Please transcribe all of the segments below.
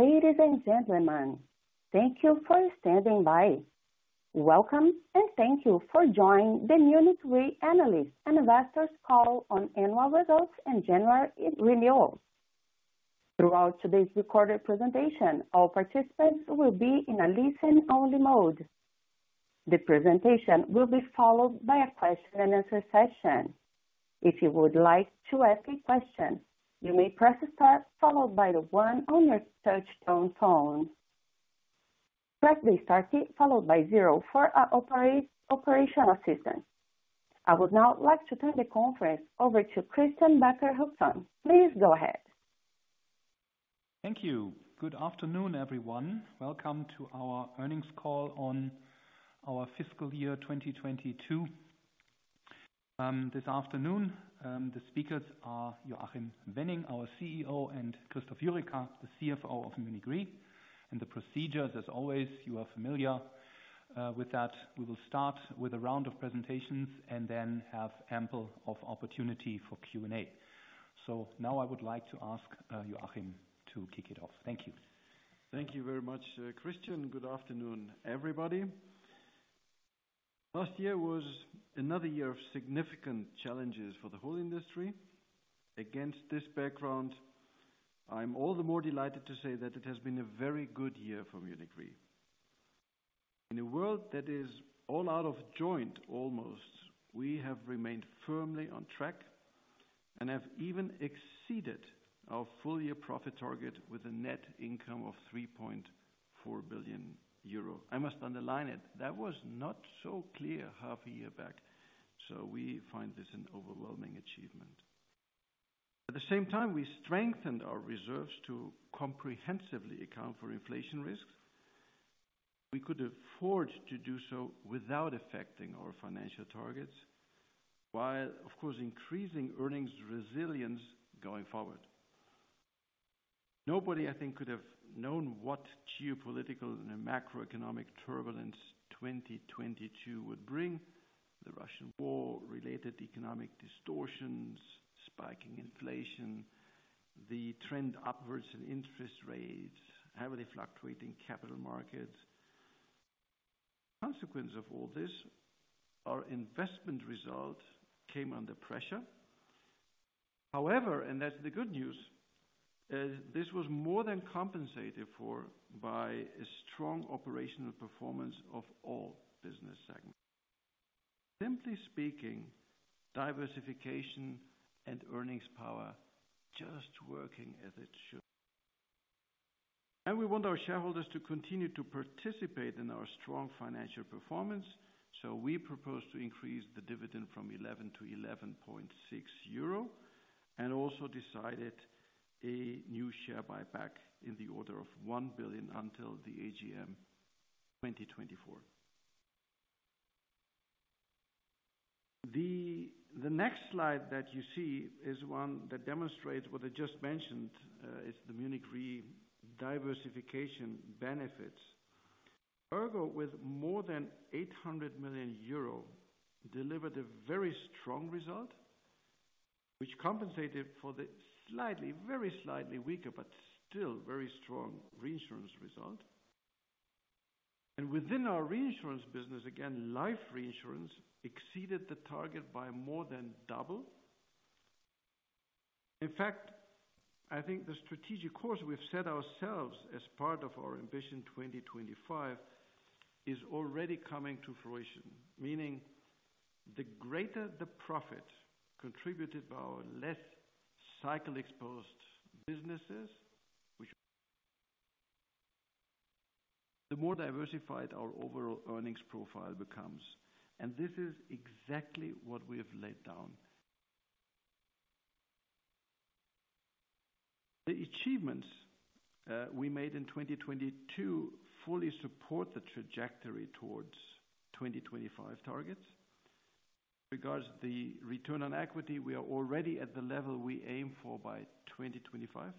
Ladies and gentlemen, thank you for standing by. Welcome. Thank you for joining the Munich Re analyst and investors call on annual results in January renewal. Throughout today's recorded presentation, all participants will be in a listen-only mode. The presentation will be followed by a question and answer session. If you would like to ask a question, you may press star followed by the one on your touch tone phone. Press the star key followed by zero for our operational assistant. I would now like to turn the conference over to Christian Becker-Hussong. Please go ahead. Thank you. Good afternoon, everyone. Welcome to our Earnings Call on our Fiscal Year 2022. This afternoon, the speakers are Joachim Wenning, our CEO, and Christoph Jurecka, the CFO of Munich Re. The procedure as always, you are familiar with that. We will start with a round of presentations and then have ample of opportunity for Q&A. Now I would like to ask Joachim to kick it off. Thank you. Thank you very much, Christian. Good afternoon, everybody. Last year was another year of significant challenges for the whole industry. Against this background, I'm all the more delighted to say that it has been a very good year for Munich Re. In a world that is all out of joint almost, we have remained firmly on track and have even exceeded our full year profit target with a net income of 3.4 billion euro. I must underline it, that was not so clear half a year back. We find this an overwhelming achievement. At the same time, we strengthened our reserves to comprehensively account for inflation risks. We could afford to do so without affecting our financial targets, while of course increasing earnings resilience going forward. Nobody, I think, could have known what geopolitical and macroeconomic turbulence 2022 would bring. The Russian war related economic distortions, spiking inflation, the trend upwards in interest rates, heavily fluctuating capital markets. Consequence of all this, our investment result came under pressure. However, that's the good news, this was more than compensated for by a strong operational performance of all business segments. Simply speaking, diversification and earnings power just working as it should. We want our shareholders to continue to participate in our strong financial performance. We propose to increase the dividend from 11 to 11.6 euro, and also decided a new share buyback in the order of 1 billion until the AGM 2024. The next slide that you see is one that demonstrates what I just mentioned, is the Munich Re diversification benefits. ERGO with more than 800 million euro delivered a very strong result, which compensated for the slightly, very slightly weaker, but still very strong reinsurance result. Within our reinsurance business, again, life reinsurance exceeded the target by more than double. In fact, I think the strategic course we've set ourselves as part of our Ambition 2025 is already coming to fruition. Meaning the greater the profit contributed by our less cycle exposed businesses which the more diversified our overall earnings profile becomes. This is exactly what we have laid down. The achievements we made in 2022 fully support the trajectory towards 2025 targets. Regards the return on equity, we are already at the level we aim for by 2025.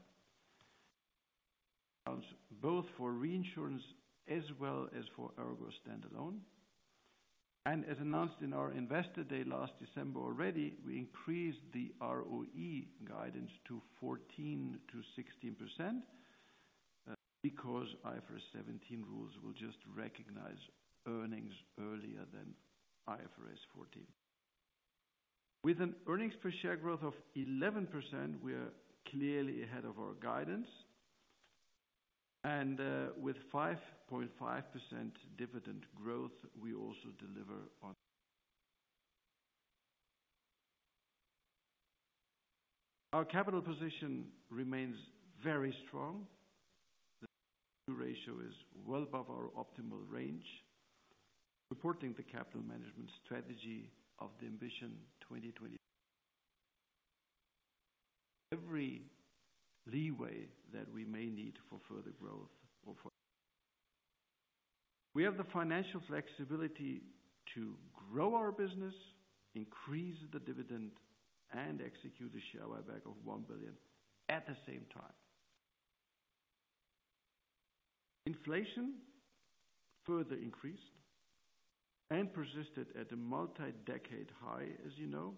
both for reinsurance as well as for ERGO standalone. As announced in our Investor Day last December already, we increased the ROE guidance to 14%-16% because IFRS 17 rules will just recognize earnings earlier than IFRS 14. With an earnings per share growth of 11%, we are clearly ahead of our guidance. With 5.5% dividend growth, we also deliver on. Our capital position remains very strong. The ratio is well above our optimal range, supporting the capital management strategy of the Ambition 2025. Every leeway that we may need for further growth or for. We have the financial flexibility to grow our business, increase the dividend, and execute a share buyback of 1 billion at the same time. Inflation further increased and persisted at a multi-decade high, as you know.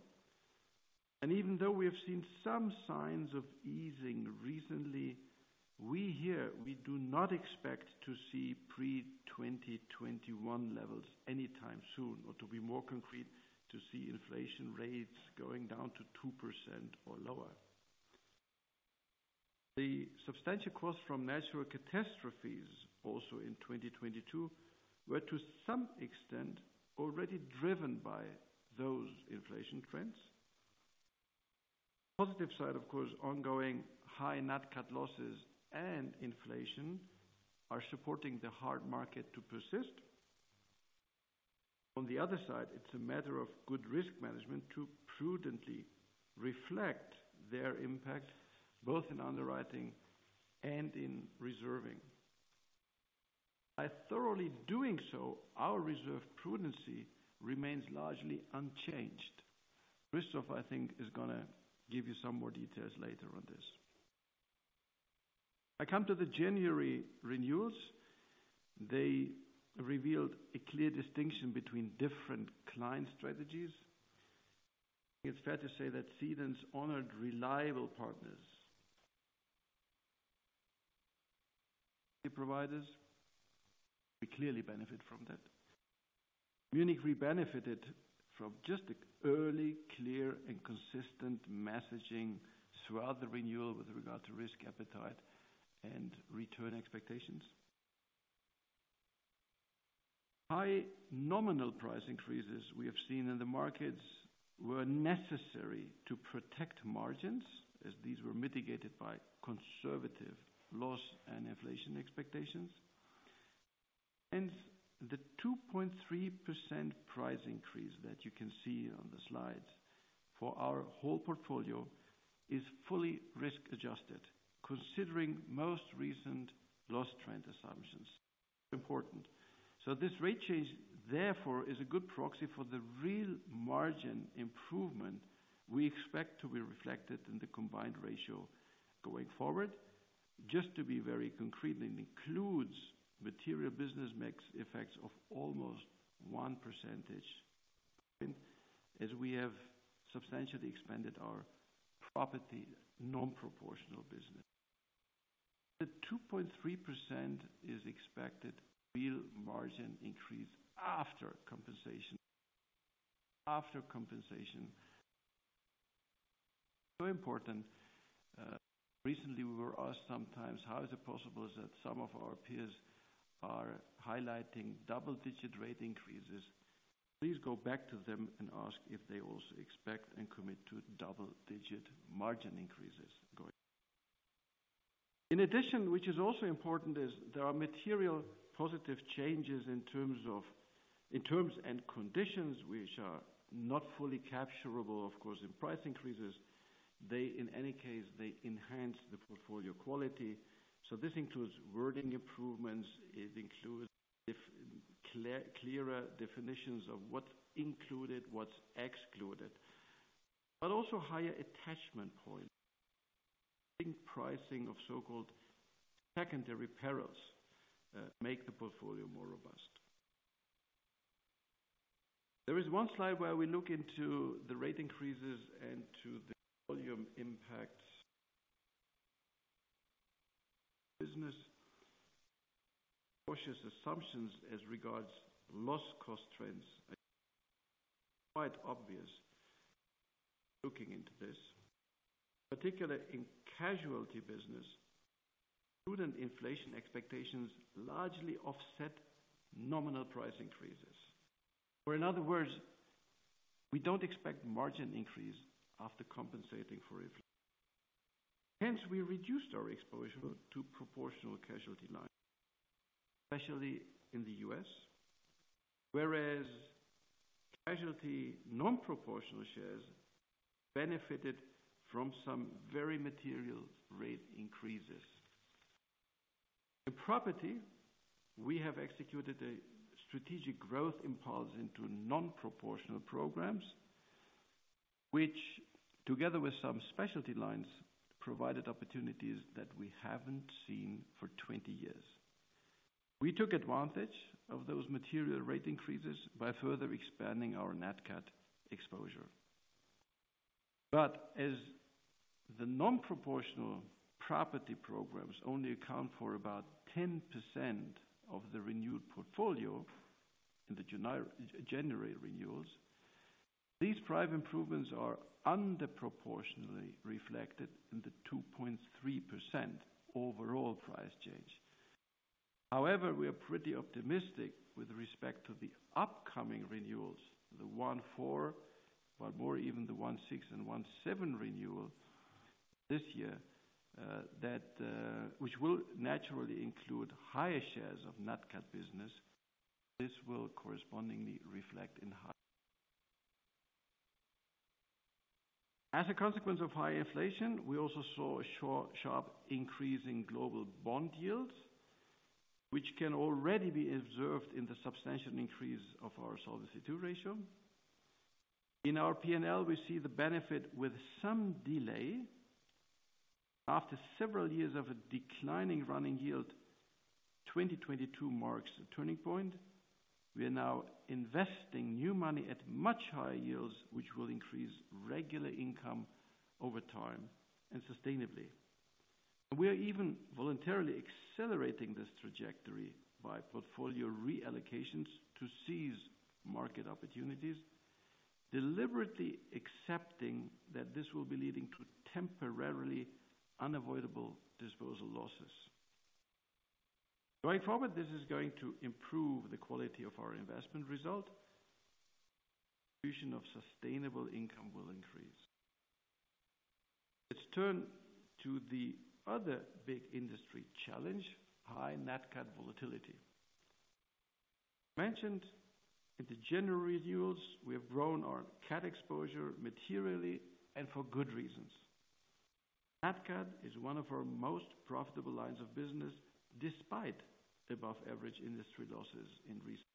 Even though we have seen some signs of easing recently, we here, we do not expect to see pre 2021 levels anytime soon, or to be more concrete, to see inflation rates going down to 2% or lower. The substantial cost from natural catastrophes also in 2022 were to some extent already driven by those inflation trends. Positive side, of course, ongoing NatCat losses and inflation are supporting the hard market to persist. On the other side, it's a matter of good risk management to prudently reflect their impact both in underwriting and in reserving. By thoroughly doing so, our reserve prudency remains largely unchanged. Christoph, I think, is gonna give you some more details later on this. I come to the January renewals. They revealed a clear distinction between different client strategies. It's fair to say that Cedants honored reliable partners, providers, we clearly benefit from that. Munich Re benefited from just the early, clear, and consistent messaging throughout the renewal with regard to risk appetite and return expectations. High nominal price increases we have seen in the markets were necessary to protect margins as these were mitigated by conservative loss and inflation expectations. The 2.3% price increase that you can see on the slide for our whole portfolio is fully risk-adjusted considering most recent loss trend assumptions. Important. This rate change, therefore, is a good proxy for the real margin improvement we expect to be reflected in the combined ratio going forward. Just to be very concrete, it includes material business mix effects of almost 1%. As we have substantially expanded our property non-proportional business. The 2.3% is expected real margin increase after compensation after compensation. Important. Recently we were asked sometimes, "How is it possible that some of our peers are highlighting double-digit rate increases?" Please go back to them and ask if they also expect and commit to double-digit margin increases going. Which is also important, is there are material positive changes in terms and conditions which are not fully capturable, of course, in price increases. In any case, they enhance the portfolio quality. This includes wording improvements. It includes clearer definitions of what's included, what's excluded, but also higher attachment points. I think pricing of so-called secondary perils make the portfolio more robust. There is one slide where we look into the rate increases and to the volume impacts business cautious assumptions as regards loss cost trends quite obvious looking into this. Particularly in casualty business, prudent inflation expectations largely offset nominal price increases. In other words, we don't expect margin increase after compensating for inflation. We reduced our exposure to proportional casualty lines, especially in the U.S. Casualty non-proportional shares benefited from some very material rate increases. In property, we have executed a strategic growth impulse into non-proportional programs, which together with some specialty lines, provided opportunities that we haven't seen for 20 years. We took advantage of those material rate increases by further expanding our NatCat exposure. As the non-proportional property programs only account for about 10% of the renewed portfolio in the January renewals, these private improvements are under proportionally reflected in the 2.3% overall price change. We are pretty optimistic with respect to the upcoming renewals, the 1/4, but more even the 1/6 and 1/7 renewal this year, that which will naturally include higher shares NatCat business. This will correspondingly reflect in high As a consequence of high inflation, we also saw a sharp increase in global bond yields, which can already be observed in the substantial increase of our Solvency II ratio. In our P&L, we see the benefit with some delay. After several years of a declining running yield, 2022 marks a turning point. We are now investing new money at much higher yields, which will increase regular income over time and sustainably. We are even voluntarily accelerating this trajectory by portfolio reallocations to seize market opportunities, deliberately accepting that this will be leading to temporarily unavoidable disposal losses. Going forward, this is going to improve the quality of our investment result. Distribution of sustainable income will increase. Let's turn to the other big industry challenge, NatCat volatility. Mentioned in the general reviews, we have our NatCat exposure materially and for good reasons. NatCat is one of our most profitable lines of business despite above average industry losses in recent.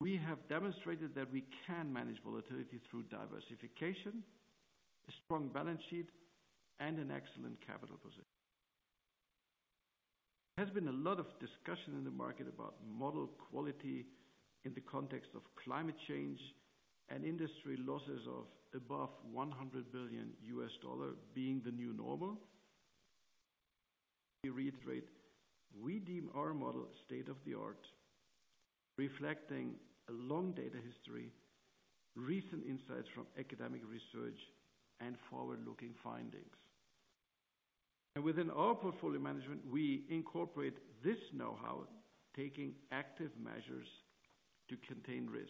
We have demonstrated that we can manage volatility through diversification, a strong balance sheet and an excellent capital position. There has been a lot of discussion in the market about model quality in the context of climate change and industry losses of above $100 billion being the new normal. Let me reiterate, we deem our model state-of-the-art, reflecting a long data history, recent insights from academic research and forward-looking findings. Within our portfolio management, we incorporate this know-how, taking active measures to contain risk.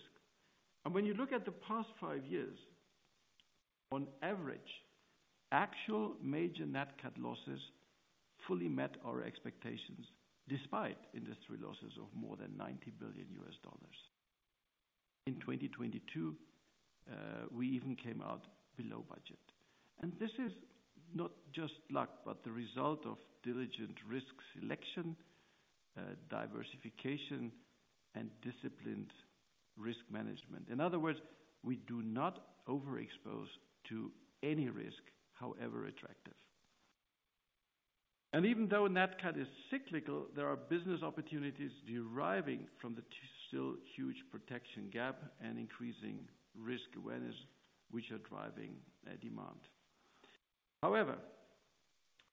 When you look at the past five years, on average, actual NatCat losses fully met our expectations despite industry losses of more than $90 billion. In 2022, we even came out below budget. This is not just luck, but the result of diligent risk selection, diversification and disciplined risk management. In other words, we do not overexpose to any risk, however attractive. Even NatCat is cyclical, there are business opportunities deriving from the still huge protection gap and increasing risk awareness which are driving a demand. However,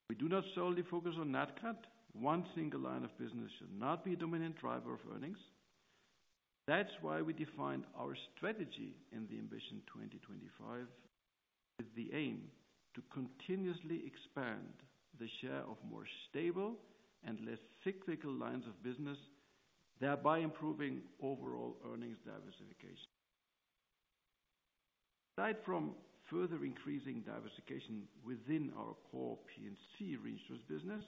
we do not solely focus NatCat. One single line of business should not be a dominant driver of earnings. That's why we define our strategy in the Ambition 2025 with the aim to continuously expand the share of more stable and less cyclical lines of business, thereby improving overall earnings diversification. Aside from further increasing diversification within our core P&C reinsurance business,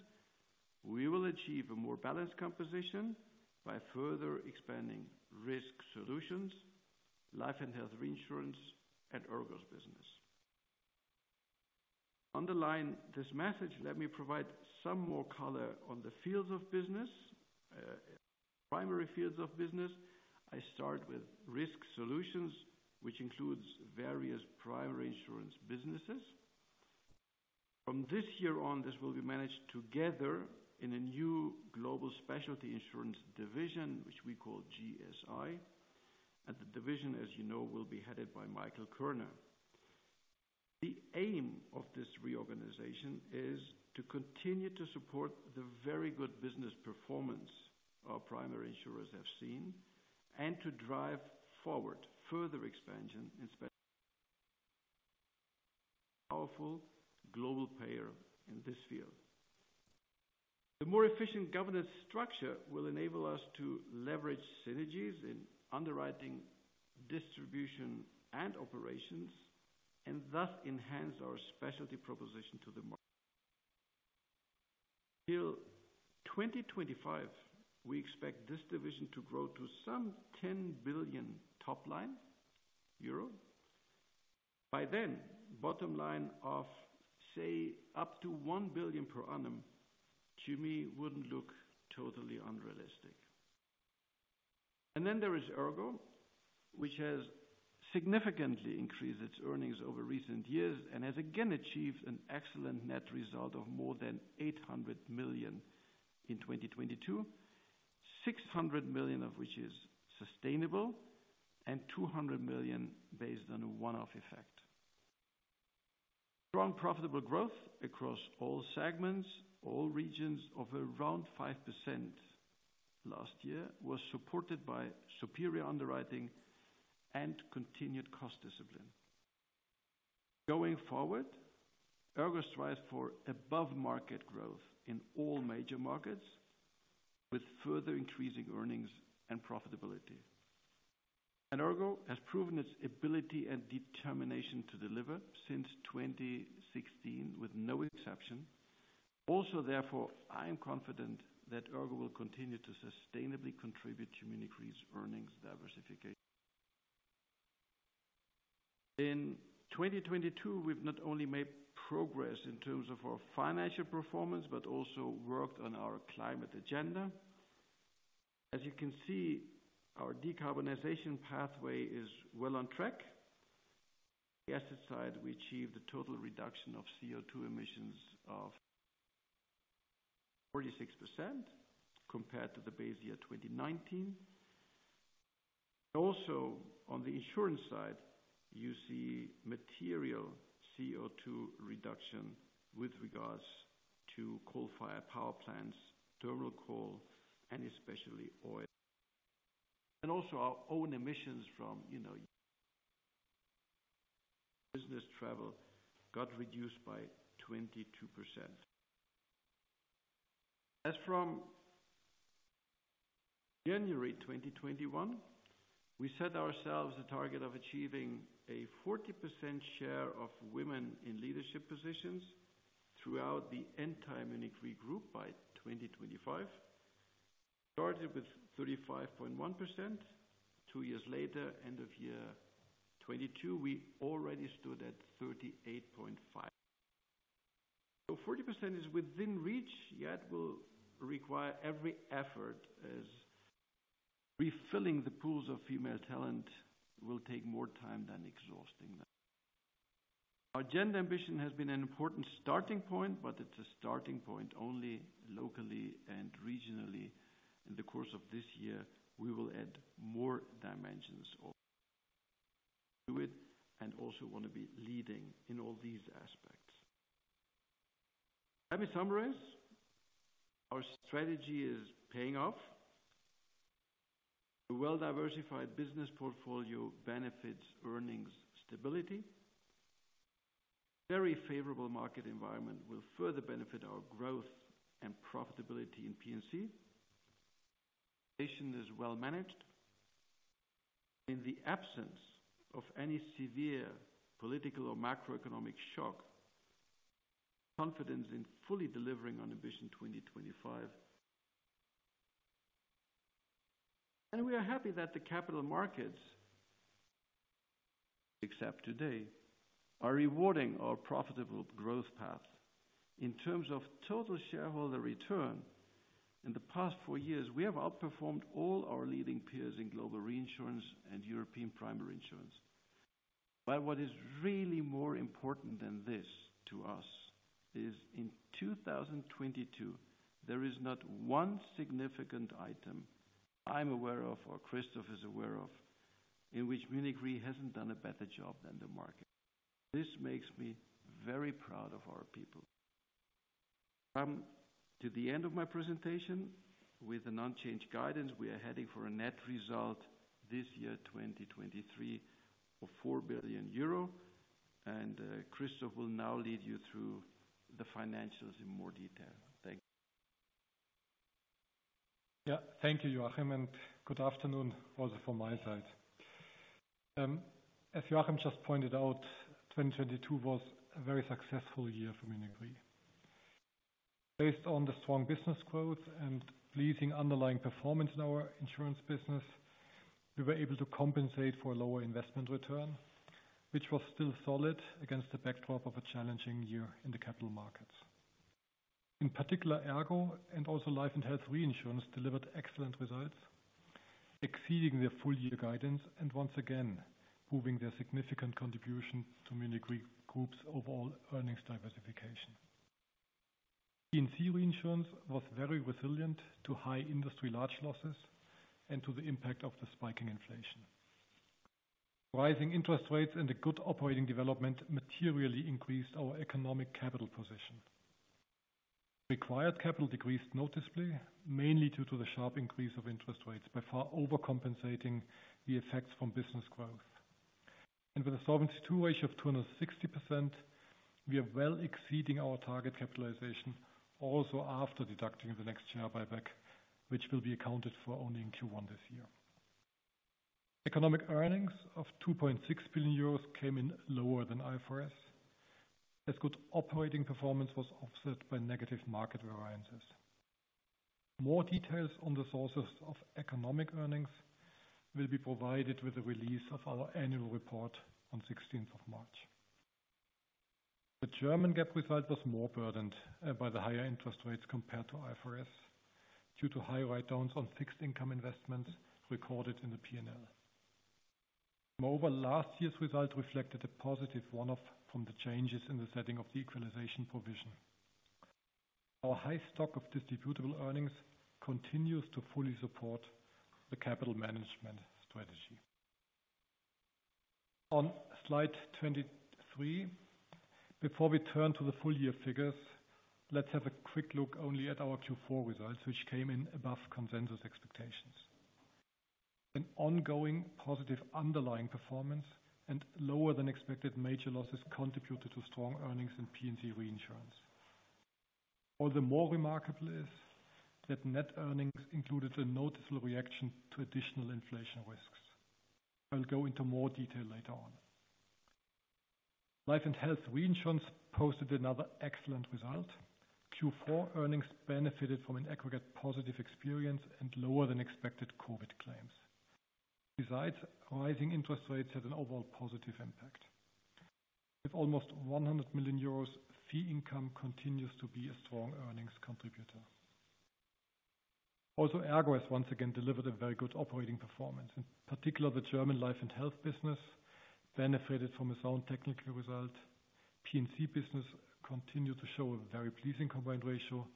we will achieve a more balanced composition by further expanding Risk Solutions, Life & Health Reinsurance and ERGO's business. Underline this message, let me provide some more color on the fields of business, primary fields of business. I start with Risk Solutions, which includes various primary insurance businesses. From this year on, this will be managed together in a new global specialty insurance division, which we call GSI. The division, as you know, will be headed by Michael Kerner. The aim of this reorganization is to continue to support the very good business performance our primary insurers have seen and to drive forward further expansion in specialty. Powerful global player in this field. The more efficient governance structure will enable us to leverage synergies in underwriting, distribution and operations and thus enhance our specialty proposition to the market. Till 2025, we expect this division to grow to some 10 billion euro top line. By then, bottom line of, say, up to 1 billion per annum to me wouldn't look totally unrealistic. There is ERGO, which has significantly increased its earnings over recent years and has again achieved an excellent net result of more than 800 million in 2022, 600 million of which is sustainable and 200 million based on a one-off effect. Strong profitable growth across all segments, all regions of around 5% last year was supported by superior underwriting and continued cost discipline. Going forward, ERGO strives for above market growth in all major markets with further increasing earnings and profitability. ERGO has proven its ability and determination to deliver since 2016 with no exception. I am confident that ERGO will continue to sustainably contribute to Munich Re earnings diversification. In 2022, we've not only made progress in terms of our financial performance, but also worked on our climate agenda. As you can see, our decarbonization pathway is well on track. The asset side, we achieved a total reduction of CO₂ emissions of 46% compared to the base year 2019. Also, on the insurance side, you see material CO₂ reduction with regards to coal-fired power plants, thermal coal, and especially oil. Also, our own emissions from, you know, business travel got reduced by 22%. As from January 2021, we set ourselves a target of achieving a 40% share of women in leadership positions throughout the entire Munich Re Group by 2025. We started with 35.1%. Two years later, end of year 2022, we already stood at 38.5%. 40% is within reach, yet will require every effort as refilling the pools of female talent will take more time than exhausting them. Our gender ambition has been an important starting point, but it's a starting point only locally and regionally. In the course of this year, we will add more dimensions to it and also want to be leading in all these aspects. Let me summarize. Our strategy is paying off. A well-diversified business portfolio benefits earnings stability. Very favorable market environment will further benefit our growth and profitability in P&C. Station is well managed. In the absence of any severe political or macroeconomic shock, confidence in fully delivering on Ambition 2025. We are happy that the capital markets, except today, are rewarding our profitable growth path. In terms of total shareholder return, in the past four years, we have outperformed all our leading peers in global reinsurance and European primary insurance. What is really more important than this to us is in 2022, there is not one significant item I'm aware of or Christoph is aware of, in which Munich Re hasn't done a better job than the market. This makes me very proud of our people. To the end of my presentation with an unchanged guidance, we are heading for a net result this year, 2023 of 4 billion euro. Christoph will now lead you through the financials in more detail. Thank you. Thank you, Joachim, and good afternoon also from my side. As Joachim just pointed out, 2022 was a very successful year for Munich Re. Based on the strong business growth and pleasing underlying performance in our insurance business, we were able to compensate for a lower investment return, which was still solid against the backdrop of a challenging year in the capital markets. In particular, ERGO and also Life & Health Reinsurance delivered excellent results, exceeding their full year guidance and once again proving their significant contribution to Munich Re Group's overall earnings diversification. P&C reinsurance was very resilient to high industry large losses and to the impact of the spiking inflation. Rising interest rates and a good operating development materially increased our economic capital position. Required capital decreased noticeably, mainly due to the sharp increase of interest rates, by far overcompensating the effects from business growth. With a Solvency II ratio of 260%, we are well exceeding our target capitalization also after deducting the next share buyback, which will be accounted for only in Q1 this year. Economic earnings of 2.6 billion euros came in lower than IFRS, as good operating performance was offset by negative market variances. More details on the sources of economic earnings will be provided with the release of our annual report on 16th of March. The German GAAP result was more burdened by the higher interest rates compared to IFRS due to higher write-downs on fixed income investments recorded in the P&L. Moreover, last year's result reflected a positive one-off from the changes in the setting of the equalization provision. Our high stock of distributable earnings continues to fully support the capital management strategy. On slide 23, before we turn to the full year figures, let's have a quick look only at our Q4 results, which came in above consensus expectations. An ongoing positive underlying performance and lower than expected major losses contributed to strong earnings in P&C reinsurance. All the more remarkable is that net earnings included a noticeable reaction to additional inflation risks. I'll go into more detail later on. Life & Health Reinsurance posted another excellent result. Q4 earnings benefited from an aggregate positive experience and lower than expected COVID claims. Besides, rising interest rates had an overall positive impact. With almost 100 million euros, fee income continues to be a strong earnings contributor. ERGO has once again delivered a very good operating performance. In particular, the German life and health business benefited from its own technical result. P&C business continued to show a very pleasing combined ratio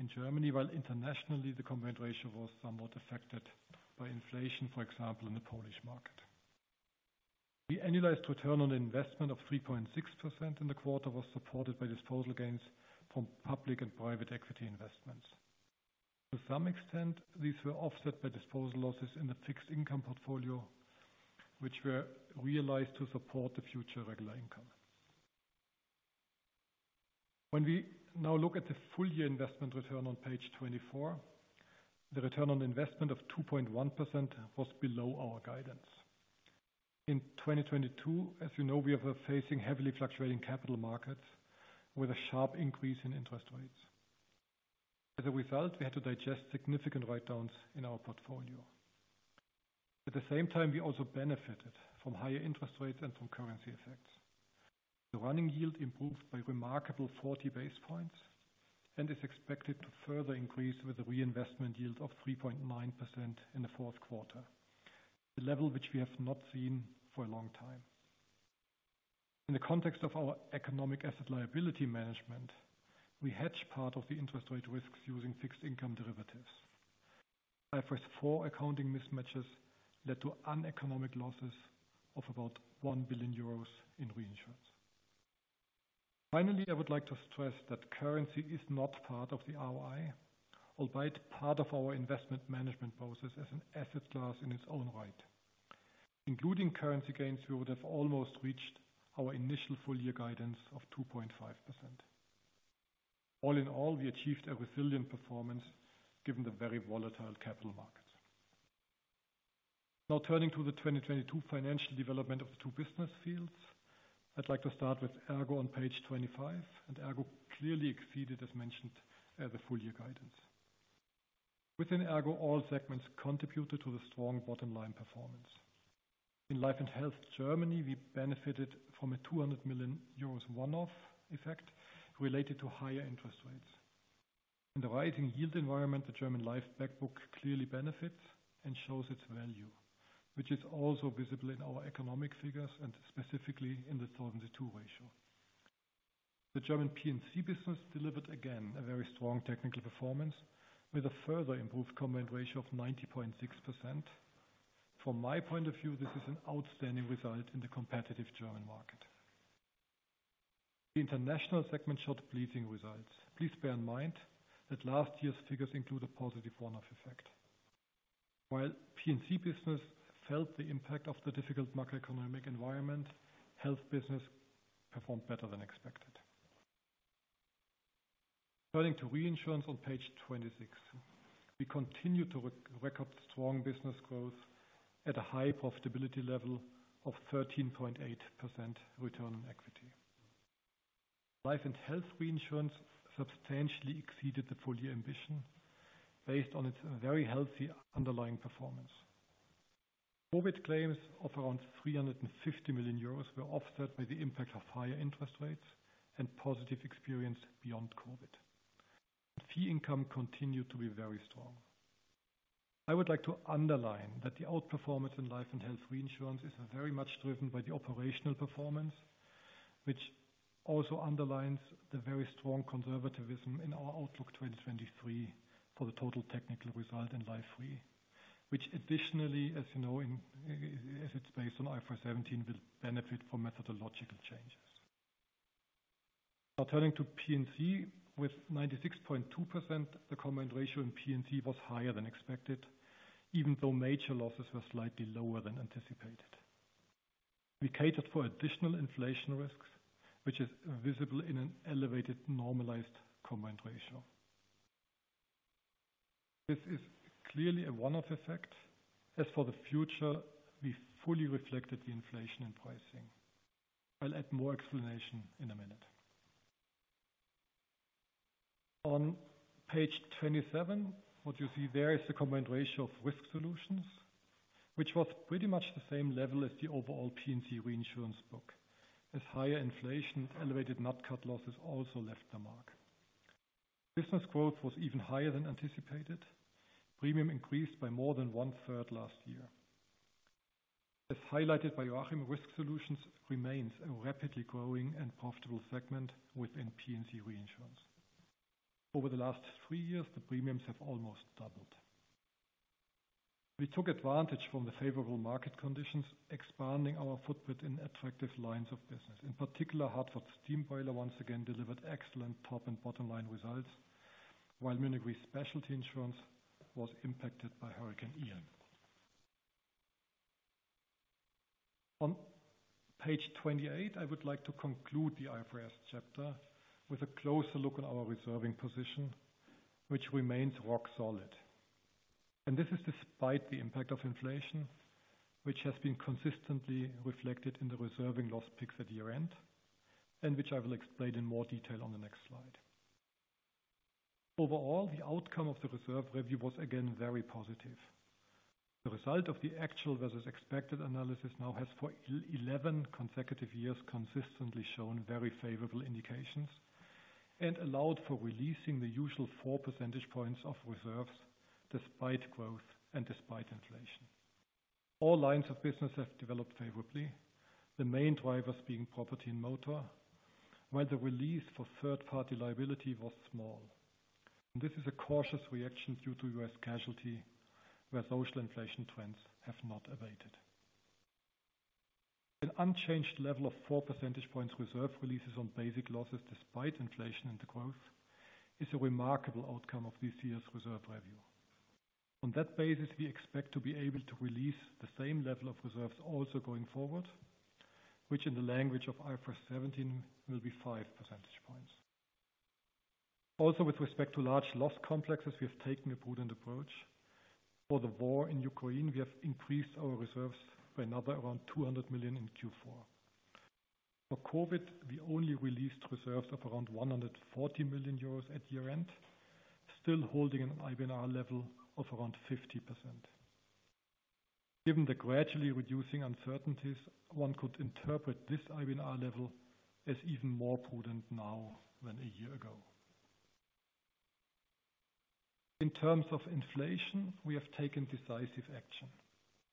in Germany, while internationally the combined ratio was somewhat affected by inflation, for example, in the Polish market. The annualized return on investment of 3.6% in the quarter was supported by disposal gains from public and private equity investments. To some extent, these were offset by disposal losses in the fixed-income portfolio, which were realized to support the future regular income. When we now look at the full-year investment return on page 24, the return on investment of 2.1% was below our guidance. In 2022, as you know, we were facing heavily fluctuating capital markets with a sharp increase in interest rates. As a result, we had to digest significant write-downs in our portfolio. At the same time, we also benefited from higher interest rates and from currency effects. The running yield improved by a remarkable 40 basis points and is expected to further increase with the reinvestment yield of 3.9% in the fourth quarter, the level which we have not seen for a long time. In the context of our economic asset liability management, we hedged part of the interest rate risks using fixed income derivatives. IFRS four accounting mismatches led to uneconomic losses of about 1 billion euros in reinsurance. Finally, I would like to stress that currency is not part of the ROI, albeit part of our investment management process as an asset class in its own right. Including currency gains, we would have almost reached our initial full-year guidance of 2.5%. All in all, we achieved a resilient performance given the very volatile capital markets. Now turning to the 2022 financial development of the two business fields. I'd like to start with ERGO on page 25. ERGO clearly exceeded, as mentioned, the full-year guidance. Within ERGO, all segments contributed to the strong bottom line performance. In life and health Germany, we benefited from a 200 million euros one-off effect related to higher interest rates. In the rising yield environment, the German life back book clearly benefits and shows its value, which is also visible in our economic figures and specifically in the Solvency II ratio. The German P&C business delivered again a very strong technical performance with a further improved combined ratio of 90.6%. From my point of view, this is an outstanding result in the competitive German market. The international segment showed pleasing results. Please bear in mind that last year's figures include a positive one-off effect. While P&C business felt the impact of the difficult macroeconomic environment, health business performed better than expected. Turning to reinsurance on page 26. We continued to re-record strong business growth at a high profitability level of 13.8% return on equity. Life & Health Reinsurance substantially exceeded the full-year ambition based on its very healthy underlying performance. COVID claims of around 350 million euros were offset by the impact of higher interest rates and positive experience beyond COVID. Fee income continued to be very strong. I would like to underline that the outperformance in Life & Health Reinsurance is very much driven by the operational performance, which also underlines the very strong conservatism in our outlook 2023 for the total technical result in life re, which additionally, as you know, as it's based on IFRS 17 will benefit from methodological changes. Now turning to P&C. With 96.2%, the combined ratio in P&C was higher than expected, even though major losses were slightly lower than anticipated. We catered for additional inflation risks, which is visible in an elevated normalized combined ratio. This is clearly a one-off effect. As for the future, we fully reflected the inflation in pricing. I'll add more explanation in a minute. On page 27, what you see there is the combined ratio of Risk Solutions, which was pretty much the same level as the overall P&C reinsurance book as higher inflation NatCat losses also left a mark. Business growth was even higher than anticipated. Premium increased by more than one-third last year. As highlighted by Joachim, Risk Solutions remains a rapidly growing and profitable segment within P&C reinsurance. Over the last three years, the premiums have almost doubled. We took advantage from the favorable market conditions, expanding our footprint in attractive lines of business. In particular, Hartford Steam Boiler once again delivered excellent top and bottom line results, while Munich Re Specialty Insurance was impacted by Hurricane Ian. On page 28, I would like to conclude the IFRS chapter with a closer look at our reserving position, which remains rock solid. This is despite the impact of inflation, which has been consistently reflected in the reserving loss picks at year-end, and which I will explain in more detail on the next slide. Overall, the outcome of the reserve review was again very positive. The result of the actual versus expected analysis now has for 11 consecutive years consistently shown very favorable indications and allowed for releasing the usual 4 percentage points of reserves despite growth and despite inflation. All lines of business have developed favorably, the main drivers being property and motor, while the release for third-party liability was small. This is a cautious reaction due to U.S. casualty, where social inflation trends have not abated. An unchanged level of 4 percentage points reserve releases on basic losses despite inflation and the growth is a remarkable outcome of this year's reserve review. On that basis, we expect to be able to release the same level of reserves also going forward, which in the language of IFRS 17 will be 5 percentage points. With respect to large loss complexes, we have taken a prudent approach. For the war in Ukraine, we have increased our reserves by another around 200 million in Q4. For COVID, we only released reserves of around 140 million euros at year-end, still holding an IBNR level of around 50%. Given the gradually reducing uncertainties, one could interpret this IBNR level as even more prudent now than a year ago. In terms of inflation, we have taken decisive action,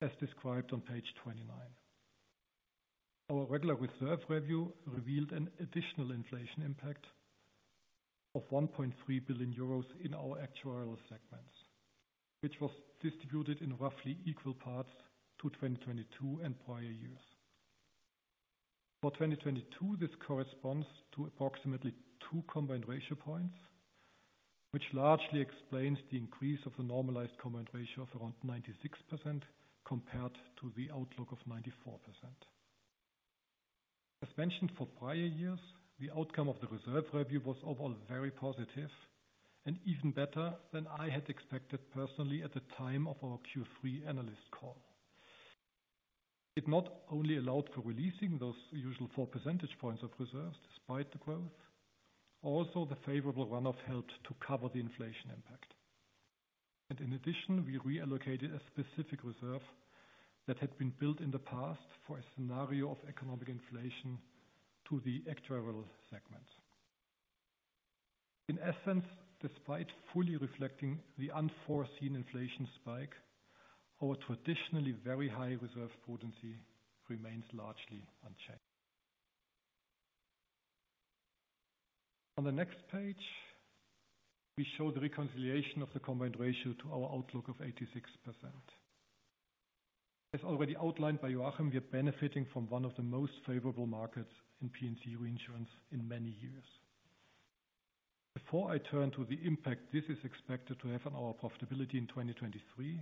as described on page 29. Our regular reserve review revealed an additional inflation impact of 1.3 billion euros in our actuarial segments, which was distributed in roughly equal parts to 2022 and prior years. For 2022, this corresponds to approximately two combined ratio points, which largely explains the increase of the normalized combined ratio of around 96% compared to the outlook of 94%. As mentioned for prior years, the outcome of the reserve review was overall very positive and even better than I had expected personally at the time of our Q3 analyst call. It not only allowed for releasing those usual 4 percentage points of reserves despite the growth. The favorable run-off helped to cover the inflation impact. In addition, we reallocated a specific reserve that had been built in the past for a scenario of economic inflation to the actuarial segment. In essence, despite fully reflecting the unforeseen inflation spike, our traditionally very high reserve potency remains largely unchanged. On the next page, we show the reconciliation of the combined ratio to our outlook of 86%. As already outlined by Joachim, we are benefiting from one of the most favorable markets in P&C reinsurance in many years. Before I turn to the impact this is expected to have on our profitability in 2023,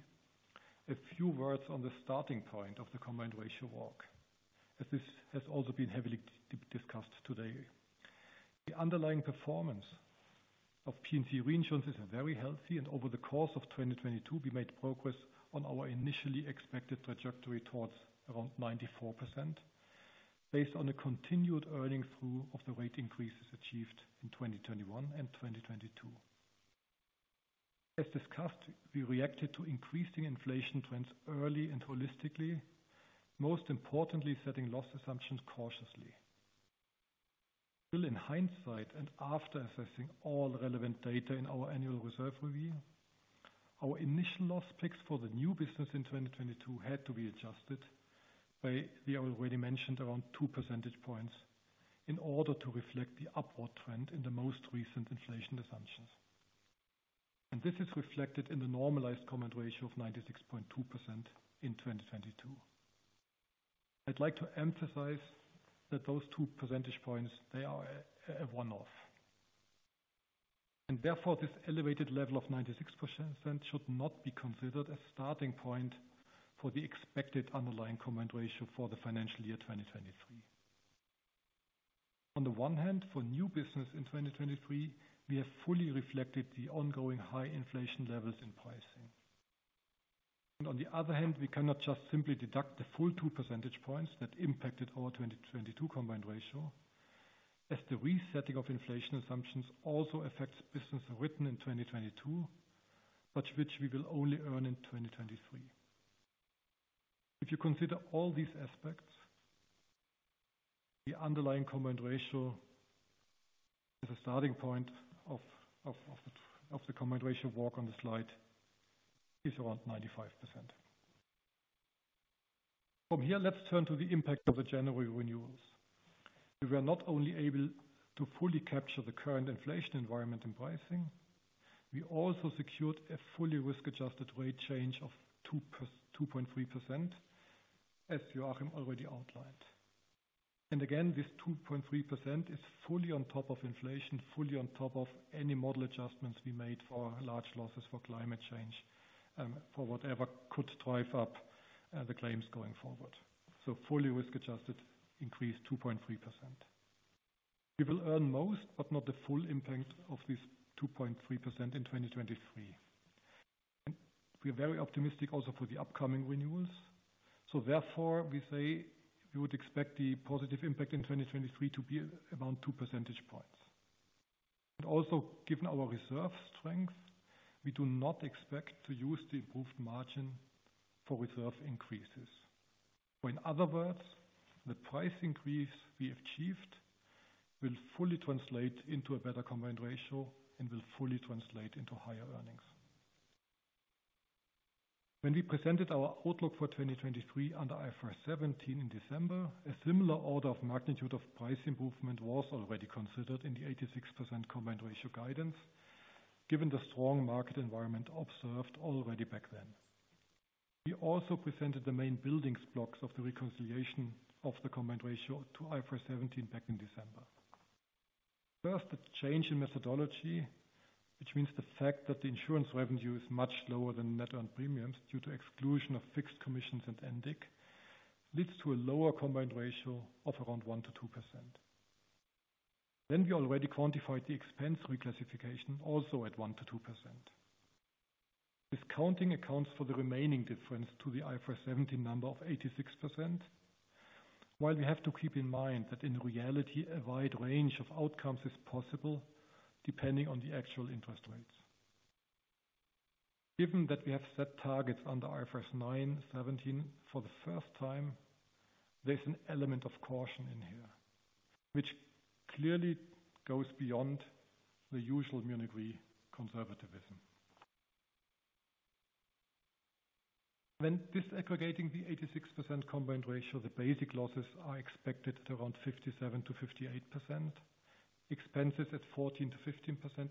a few words on the starting point of the combined ratio walk, as this has also been heavily discussed today. The underlying performance of P&C reinsurance is very healthy. Over the course of 2022, we made progress on our initially expected trajectory towards around 94% based on a continued earning through of the rate increases achieved in 2021 and 2022. As discussed, we reacted to increasing inflation trends early and holistically, most importantly, setting loss assumptions cautiously. Still in hindsight and after assessing all relevant data in our annual reserve review, our initial loss picks for the new business in 2022 had to be adjusted by the already mentioned around 2 percentage points in order to reflect the upward trend in the most recent inflation assumptions. This is reflected in the normalized combined ratio of 96.2% in 2022. I'd like to emphasize that those 2 percentage points, they are a one-off. Therefore, this elevated level of 96% should not be considered a starting point for the expected underlying combined ratio for the financial year 2023. On the one hand, for new business in 2023, we have fully reflected the ongoing high inflation levels in pricing. On the other hand, we cannot just simply deduct the full 2 percentage points that impacted our 2022 combined ratio, as the resetting of inflation assumptions also affects business written in 2022, but which we will only earn in 2023. If you consider all these aspects, the underlying combined ratio as a starting point of the combined ratio walk on the slide is around 95%. From here, let's turn to the impact of the January renewals. We were not only able to fully capture the current inflation environment in pricing, we also secured a fully risk-adjusted rate change of 2.3%, as Joachim already outlined. Again, this 2.3% is fully on top of inflation, fully on top of any model adjustments we made for large losses for climate change, for whatever could drive up the claims going forward. Fully risk-adjusted increase 2.3%. We will earn most, but not the full impact of this 2.3% in 2023. We're very optimistic also for the upcoming renewals. Therefore, we say we would expect the positive impact in 2023 to be around 2 percentage points. Also, given our reserve strength, we do not expect to use the improved margin for reserve increases. In other words, the price increase we achieved will fully translate into a better combined ratio and will fully translate into higher earnings. When we presented our outlook for 2023 under IFRS 17 in December, a similar order of magnitude of price improvement was already considered in the 86% combined ratio guidance, given the strong market environment observed already back then. We also presented the main building blocks of the reconciliation of the combined ratio to IFRS 17 back in December. First, the change in methodology, which means the fact that the insurance revenue is much lower than net earned premiums due to exclusion of fixed commissions and IBNR, leads to a lower combined ratio of around 1%-2%. We already quantified the expense reclassification also at 1%-2%. Discounting accounts for the remaining difference to the IFRS 17 number of 86%. We have to keep in mind that in reality, a wide range of outcomes is possible depending on the actual interest rates. Given that we have set targets under IFRS 9 and IFRS 17 for the first time, there's an element of caution in here, which clearly goes beyond the usual Munich Re conservatism. When disaggregating the 86% combined ratio, the basic losses are expected at around 57%-58%, expenses at 14%-15%,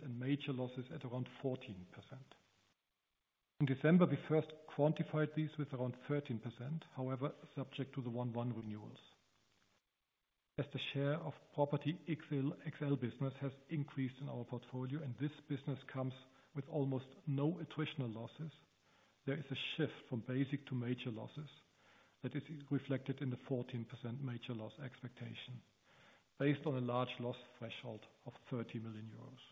and major losses at around 14%. In December, we first quantified these with around 13%, however, subject to the 1/1 renewals. As the share of property XL business has increased in our portfolio, and this business comes with almost no attritional losses. There is a shift from basic to major losses that is reflected in the 14% major loss expectation based on a large loss threshold of 30 million euros.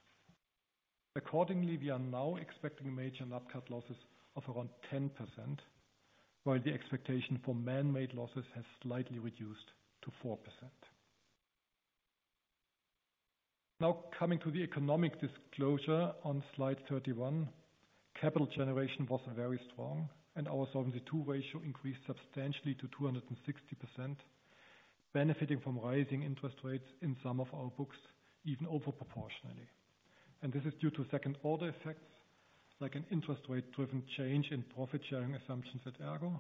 Accordingly, we are now expecting major natural losses of around 10%, while the expectation for man-made losses has slightly reduced to 4%. Coming to the economic disclosure on slide 31. Capital generation was very strong, and our Solvency II ratio increased substantially to 260%, benefiting from rising interest rates in some of our books, even over proportionally. This is due to second-order effects like an interest rate-driven change in profit-sharing assumptions at ERGO,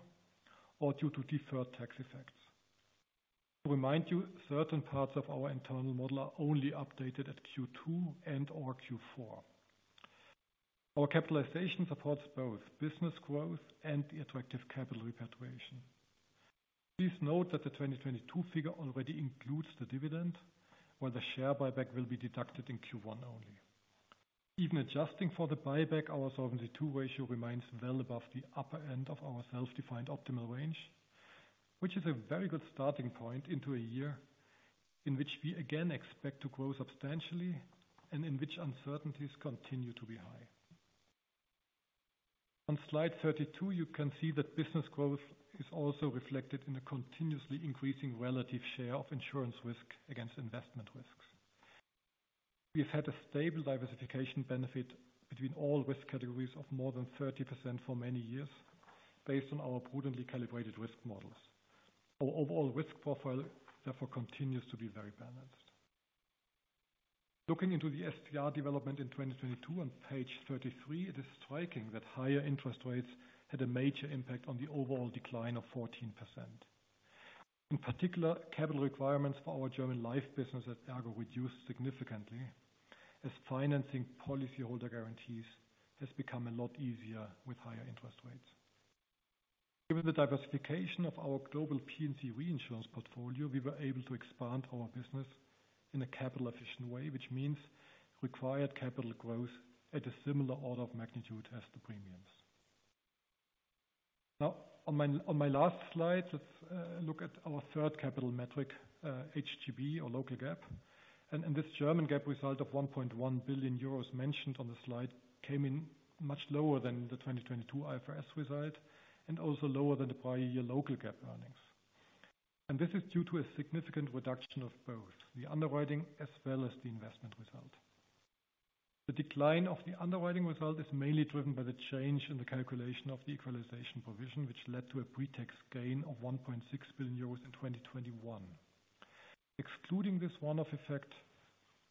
or due to deferred tax effects. To remind you, certain parts of our internal model are only updated at Q2 and/or Q4. Our capitalization supports both business growth and the attractive capital repatriation. Please note that the 2022 figure already includes the dividend, while the share buyback will be deducted in Q1 only. Even adjusting for the buyback, our Solvency II ratio remains well above the upper end of our self-defined optimal range, which is a very good starting point into a year in which we again expect to grow substantially and in which uncertainties continue to be high. On slide 32, you can see that business growth is also reflected in a continuously increasing relative share of insurance risk against investment risks. We have had a stable diversification benefit between all risk categories of more than 30% for many years based on our prudently calibrated risk models. Our overall risk profile, therefore, continues to be very balanced. Looking into the STR development in 2022 on page 33, it is striking that higher interest rates had a major impact on the overall decline of 14%. In particular, capital requirements for our German life business at ERGO reduced significantly as financing policy holder guarantees has become a lot easier with higher interest rates. Given the diversification of our global P&C reinsurance portfolio, we were able to expand our business in a capital-efficient way, which means required capital growth at a similar order of magnitude as the premiums. Now on my last slide, let's look at our third capital metric, HGB or local GAAP. This German GAAP result of 1.1 billion euros mentioned on the slide came in much lower than the 2022 IFRS result and also lower than the prior year local GAAP earnings. This is due to a significant reduction of both the underwriting as well as the investment result. The decline of the underwriting result is mainly driven by the change in the calculation of the equalization provision, which led to a pre-tax gain of 1.6 billion euros in 2021. Excluding this one-off effect,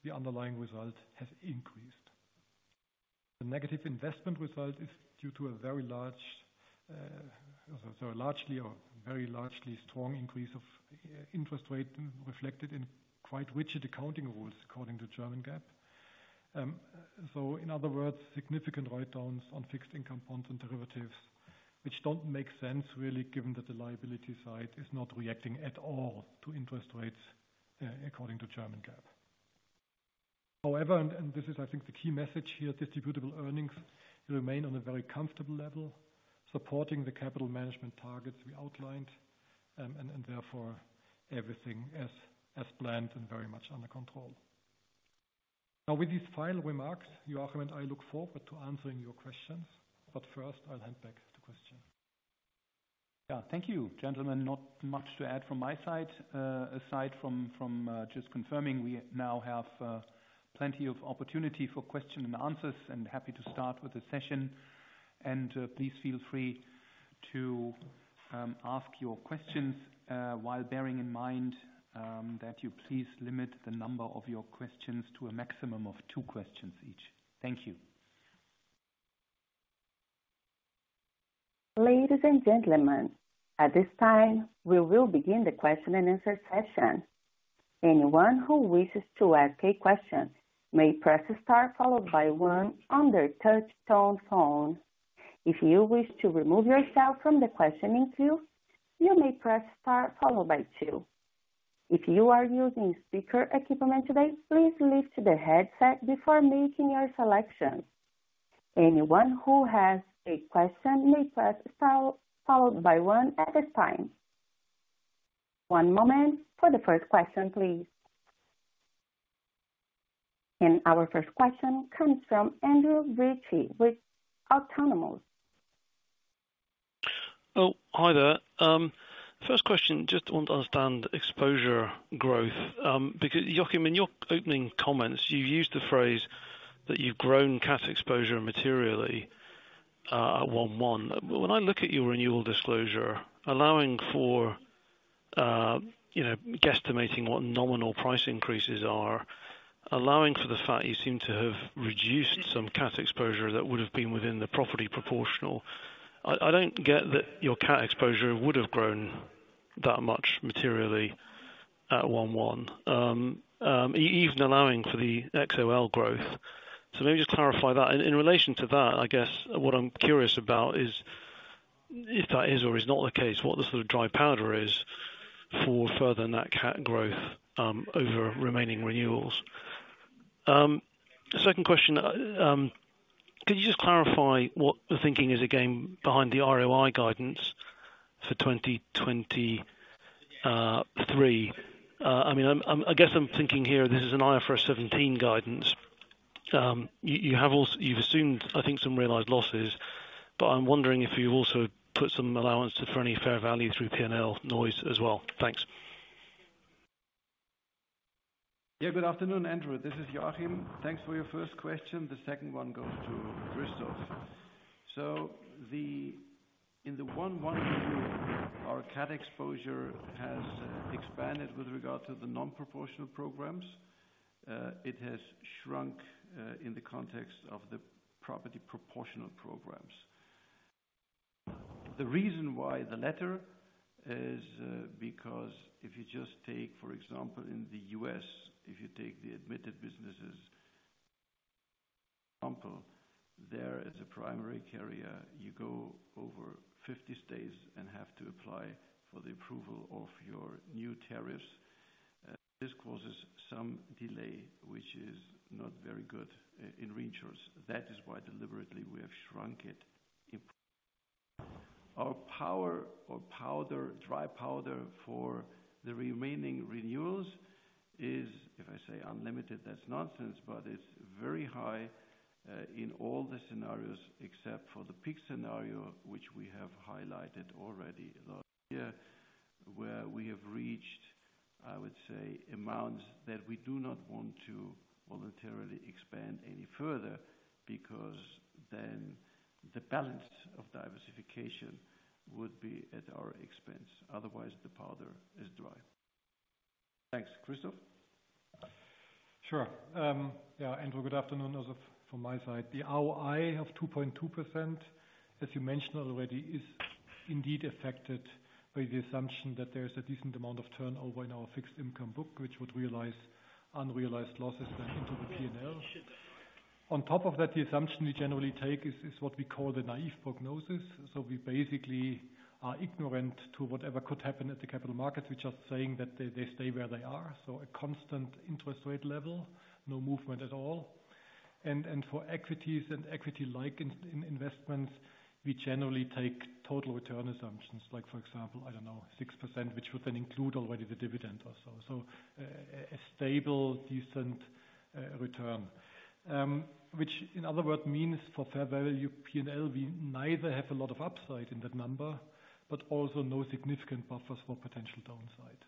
the underlying result has increased. The negative investment result is due to a very large, largely or very largely strong increase of interest rate reflected in quite rigid accounting rules according to German GAAP. In other words, significant write-downs on fixed income bonds and derivatives, which don't make sense really, given that the liability side is not reacting at all to interest rates, according to German GAAP. However, and this is, I think, the key message here, distributable earnings remain on a very comfortable level, supporting the capital management targets we outlined, and therefore everything as planned and very much under control. Now with these final remarks, Joachim and I look forward to answering your questions. First, I'll hand back to Christian. Yeah. Thank you, gentlemen. Not much to add from my side. aside from, just confirming, we now have plenty of opportunity for question and answers, and happy to start with the session. Please feel free to ask your questions while bearing in mind that you please limit the number of your questions to a maximum of two questions each. Thank you. Ladies and gentlemen, at this time, we will begin the question and answer session. Anyone who wishes to ask a question may press star followed by one on their touch tone phone. If you wish to remove yourself from the questioning queue, you may press star followed by two. If you are using speaker equipment today, please lift the headset before making your selection. Anyone who has a question may press star followed by one at this time. one moment for the first question, please. Our first question comes from Andrew Ritchie with Autonomous. Hi there. First question, just want to understand exposure growth. Because Joachim, in your opening comments, you used the phrase that you've grown cat exposure materially at one/one. When I look at your renewal disclosure, allowing for, you know, guesstimating what nominal price increases are, allowing for the fact you seem to have reduced some cat exposure that would have been within the property proportional. I don't get that your cat exposure would have grown that much materially at one/one, even allowing for the XOL growth. Maybe just clarify that. In relation to that, I guess what I'm curious about is if that is or is not the case, what the sort of dry powder is for furthering that cat growth over remaining renewals. Second question. Could you just clarify what the thinking is again, behind the ROI guidance for 2023? I mean, I guess I'm thinking here, this is an IFRS 17 guidance. You've assumed, I think, some realized losses, but I'm wondering if you also put some allowance for any fair value through PNL noise as well. Thanks. Good afternoon, Andrew. This is Joachim. Thanks for your first question. The second one goes to Christoph. In the 1/1 review, our cat exposure has expanded with regard to the non-proportional programs. It has shrunk in the context of the property proportional programs. The reason why the latter is because if you just take, for example, in the U.S., if you take the admitted businesses, for example, there as a primary carrier, you go over 50 states and have to apply for the approval of your new tariffs. This causes some delay, which is not very good in reinsurance. That is why deliberately we have shrunk it. Our power or powder, dry powder for the remaining renewals is, if I say unlimited, that's nonsense, but it's very high, in all the scenarios except for the peak scenario, which we have highlighted already last year, where we have reached, I would say, amounts that we do not want to voluntarily expand any further because then the balance of diversification would be at our expense. The powder is dry. Thanks. Christoph? Sure. Yeah, Andrew, good afternoon. Also from my side. The ROI of 2.2%, as you mentioned already, is indeed affected by the assumption that there's a decent amount of turnover in our fixed income book, which would realize unrealized losses back into the PNL. On top of that, the assumption we generally take is what we call the naive forecast. We basically are ignorant to whatever could happen at the capital markets. We're just saying that they stay where they are. A constant interest rate level, no movement at all. And for equities and equity-like in investments, we generally take total return assumptions. Like for example, I don't know, 6%, which would then include already the dividend also. A stable, decent return. Which in other words means for fair value PNL, we neither have a lot of upside in that number, but also no significant buffers for potential downside.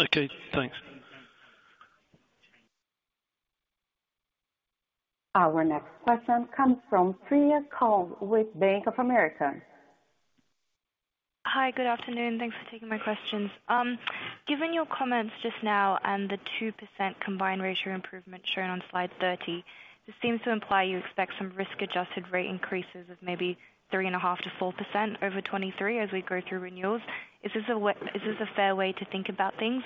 Okay, thanks. Our next question comes from Freya Kong with Bank of America. Hi, good afternoon. Thanks for taking my questions. Given your comments just now and the 2% combined ratio improvement shown on slide 30, this seems to imply you expect some risk-adjusted rate increases of maybe 3.5%-4% over 2023 as we go through renewals. Is this a fair way to think about things?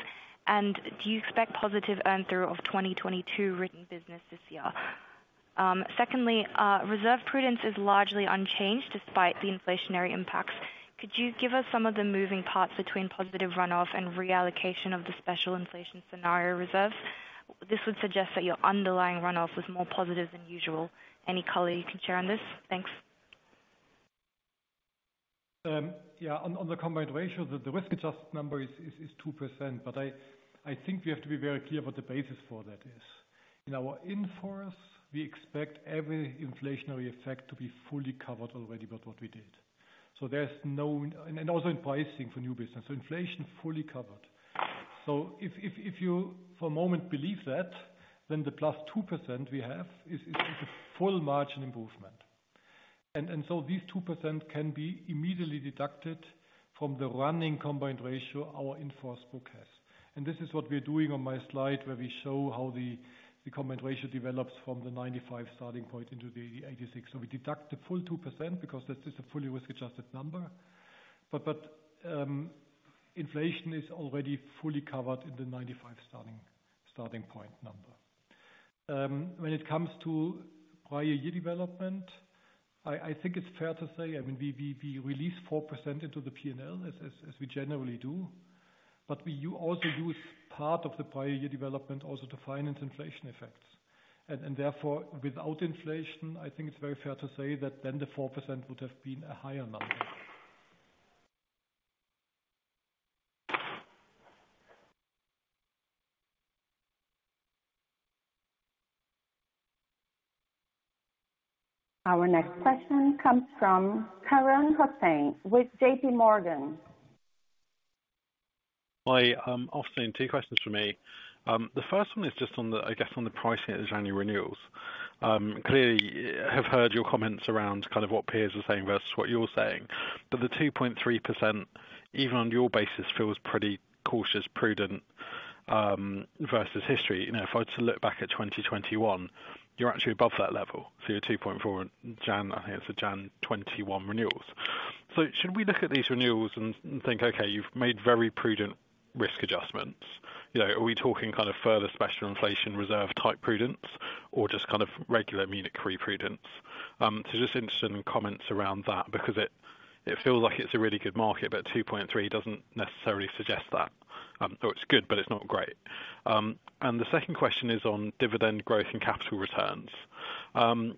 Do you expect positive earn through of 2022 written business this year? Secondly, reserve prudence is largely unchanged despite the inflationary impacts. Could you give us some of the moving parts between positive runoff and reallocation of the special inflation scenario reserves? This would suggest that your underlying runoff was more positive than usual. Any color you can share on this? Thanks. Yeah, on the combined ratio, the risk-adjusted number is 2%. I think we have to be very clear what the basis for that is. In our in-force, we expect every inflationary effect to be fully covered already by what we did. There's no... Also in pricing for new business. Inflation fully covered. If you for a moment believe that, then the +2% we have is a full margin improvement. These 2% can be immediately deducted from the running combined ratio our in-force book has. This is what we're doing on my slide, where we show how the combined ratio develops from the 95 starting point into the 86. We deduct the full 2% because that is a fully risk-adjusted number. Inflation is already fully covered in the 95 starting point number. When it comes to prior year development, I think it's fair to say, I mean, we release 4% into the P&L as we generally do. We also use part of the prior year development also to finance inflation effects. Therefore, without inflation, I think it's very fair to say that then the 4% would have been a higher number. Our next question comes from Kamran Hossain with JPMorgan. Hi, afternoon. Two questions from me. The first one is just on the, I guess, on the pricing of the January renewals. Clearly have heard your comments around kind of what peers are saying versus what you're saying. The 2.3%, even on your basis, feels pretty cautious, prudent versus history. You know, if I was to look back at 2021, you're actually above that level. Your 2.4 Jan, I think it's the Jan 21 renewals. Should we look at these renewals and think, okay, you've made very prudent risk adjustments? You know, are we talking kind of further special inflation reserve type prudence or just kind of regular Munich Re prudence? Just interested in comments around that because it feels like it's a really good market, but 2.3 doesn't necessarily suggest that. It's good, but it's not great. The second question is on dividend growth and capital returns.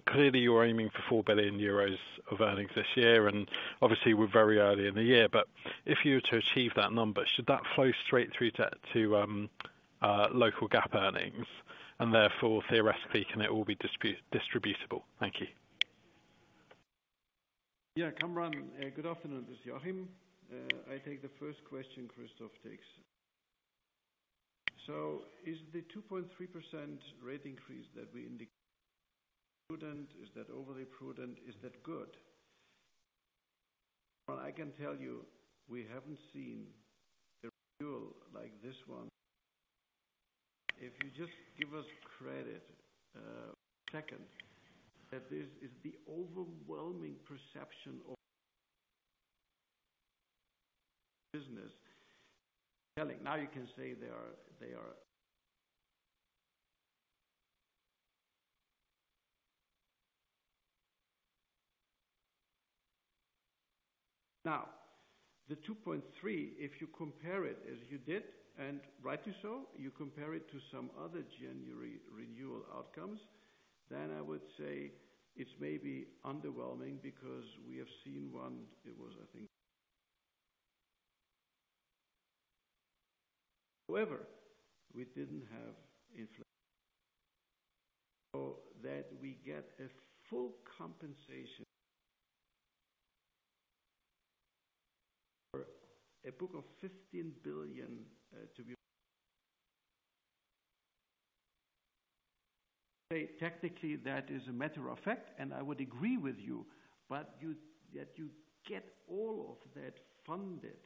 Clearly you're aiming for 4 billion euros of earnings this year, obviously we're very early in the year. If you were to achieve that number, should that flow straight through to local GAAP earnings? Therefore, theoretically, can it all be distributable? Thank you. Yeah, Kamran, good afternoon. This is Joachim. I take the first question Christoph takes. Is the 2.3% rate increase that we indicated prudent? Is that overly prudent? Is that good? Well, I can tell you, we haven't seen a renewal like this one. If you just give us credit, second, that this is the overwhelming perception of business telling. You can say they are. The 2.3, if you compare it as you did, and rightly so, you compare it to some other January renewal outcomes. I would say it's maybe underwhelming because we have seen one, it was, I think. We didn't have inflation. That we get a full compensation for a book of 15 billion to be. Technically, that is a matter of fact, and I would agree with you. You, that you get all of that funded,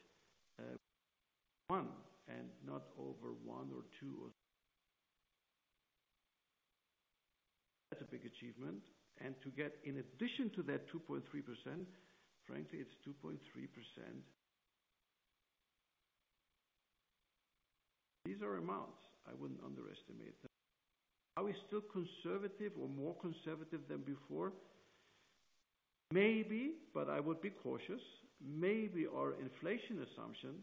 one and not over one or two or. That's a big achievement. To get in addition to that 2.3%, frankly, it's 2.3%. These are amounts. I wouldn't underestimate them. Are we still conservative or more conservative than before? Maybe, but I would be cautious. Maybe our inflation assumptions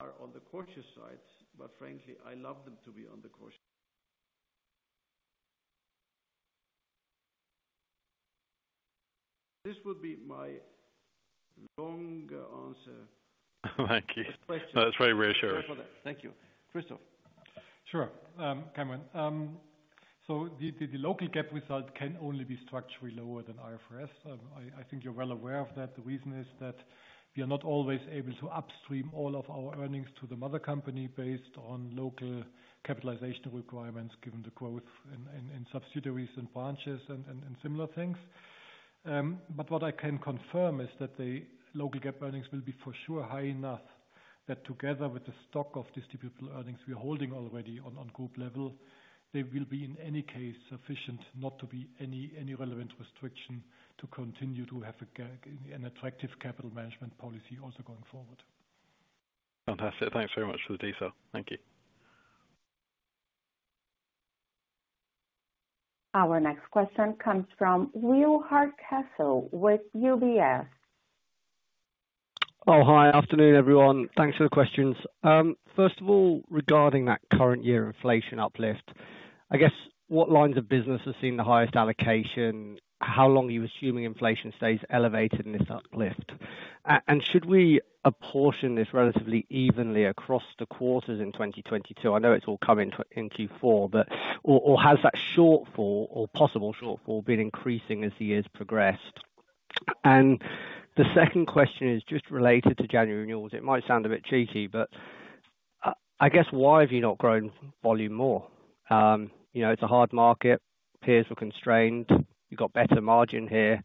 are on the cautious side, but frankly, I love them to be on the cautious. This would be my longer answer. Thank you. Next question. No, that's very reassuring. Thank you. Christoph. Sure. Kamran, the local GAAP result can only be structurally lower than IFRS. I think you're well aware of that. The reason is that we are not always able to upstream all of our earnings to the mother company based on local capitalization requirements, given the growth in subsidiaries and branches and similar things. What I can confirm is that the local GAAP earnings will be for sure high enough that together with the stock of distributable earnings we are holding already on group level. They will be in any case sufficient not to be any relevant restriction to continue to have an attractive capital management policy also going forward. Fantastic. Thanks very much for the detail. Thank you. Our next question comes from Will Hardcastle with UBS. Hi. Afternoon, everyone. Thanks for the questions. First of all, regarding that current year inflation uplift, I guess, what lines of business are seeing the highest allocation? How long are you assuming inflation stays elevated in this uplift? Should we apportion this relatively evenly across the quarters in 2022? I know it's all coming in Q4, but... Has that shortfall or possible shortfall been increasing as the years progressed? The second question is just related to January renewals. It might sound a bit cheesy, but, I guess why have you not grown volume more? You know, it's a hard market. Peers were constrained. You got better margin here.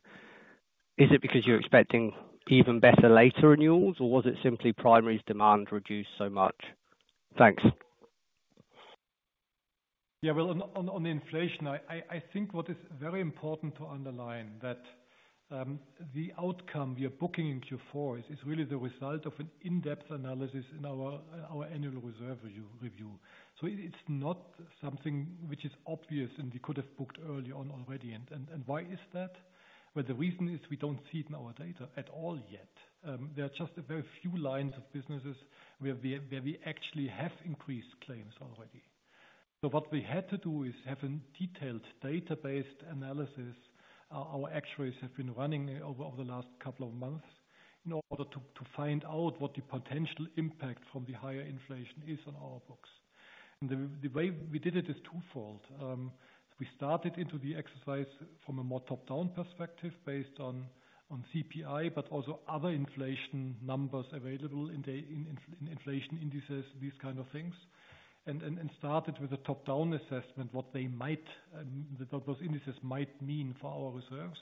Is it because you're expecting even better later renewals, or was it simply primary demand reduced so much? Thanks. Well, on inflation, I think what is very important to underline that the outcome we are booking in Q4 is really the result of an in-depth analysis in our annual reserve review. It's not something which is obvious, and we could have booked early on already. Why is that? Well, the reason is we don't see it in our data at all yet. There are just a very few lines of businesses where we actually have increased claims already. What we had to do is have a detailed data-based analysis. Our x-rays have been running over the last couple of months in order to find out what the potential impact from the higher inflation is on our books. The way we did it is twofold. We started into the exercise from a more top-down perspective based on CPI, but also other inflation numbers available in the inflation indices, these kind of things. Started with a top-down assessment, what they might, what those indices might mean for our reserves.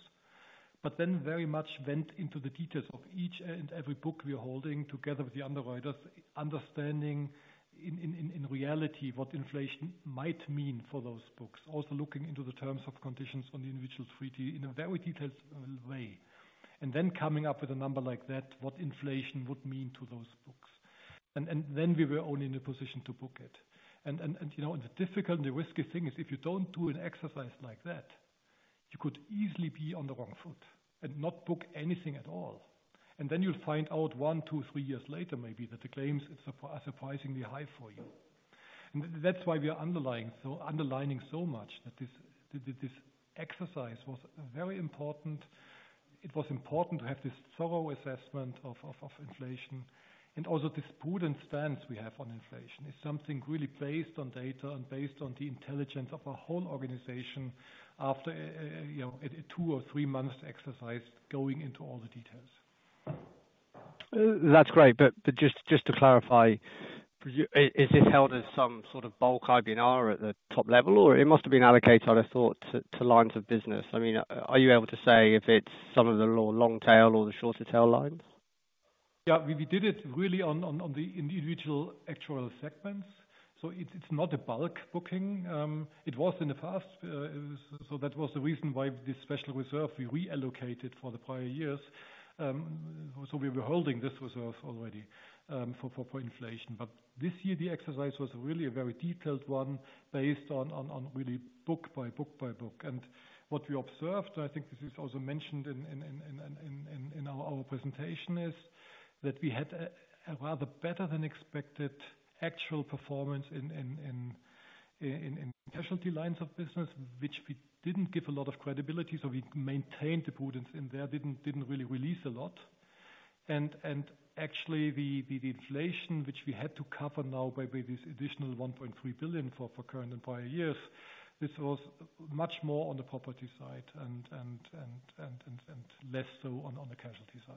Very much went into the details of each and every book we are holding together with the underwriters, understanding in reality what inflation might mean for those books. Looking into the terms of conditions on the individual treaty in a very detailed way, coming up with a number like that, what inflation would mean to those books. Then we were only in a position to book it. You know, the difficult and the risky thing is if you don't do an exercise like that, you could easily be on the wrong foot and not book anything at all. Then you'll find out one to three years later, maybe, that the claims are surprisingly high for you. That's why we are underlining so much that this exercise was very important. It was important to have this thorough assessment of inflation. Also this prudent stance we have on inflation. It's something really based on data and based on the intelligence of our whole organization after, you know, two or three months exercise going into all the details. That's great. Just to clarify, is this held as some sort of bulk IBNR at the top level? It must have been allocated, I'd have thought, to lines of business. I mean, are you able to say if it's some of the long tail or the shorter tail lines? We did it really on the individual actual segments. It's not a bulk booking. It was in the past. That was the reason why this special reserve we reallocated for the prior years. We were holding this reserve already for inflation. This year the exercise was really a very detailed one based on really book by book by book. What we observed, I think this is also mentioned in our presentation, is that we had a rather better than expected actual performance in casualty lines of business, which we didn't give a lot of credibility. We maintained the prudence in there. Didn't really release a lot. Actually the inflation, which we had to cover now by this additional 1.3 billion for current and prior years, this was much more on the property side and less so on the casualty side.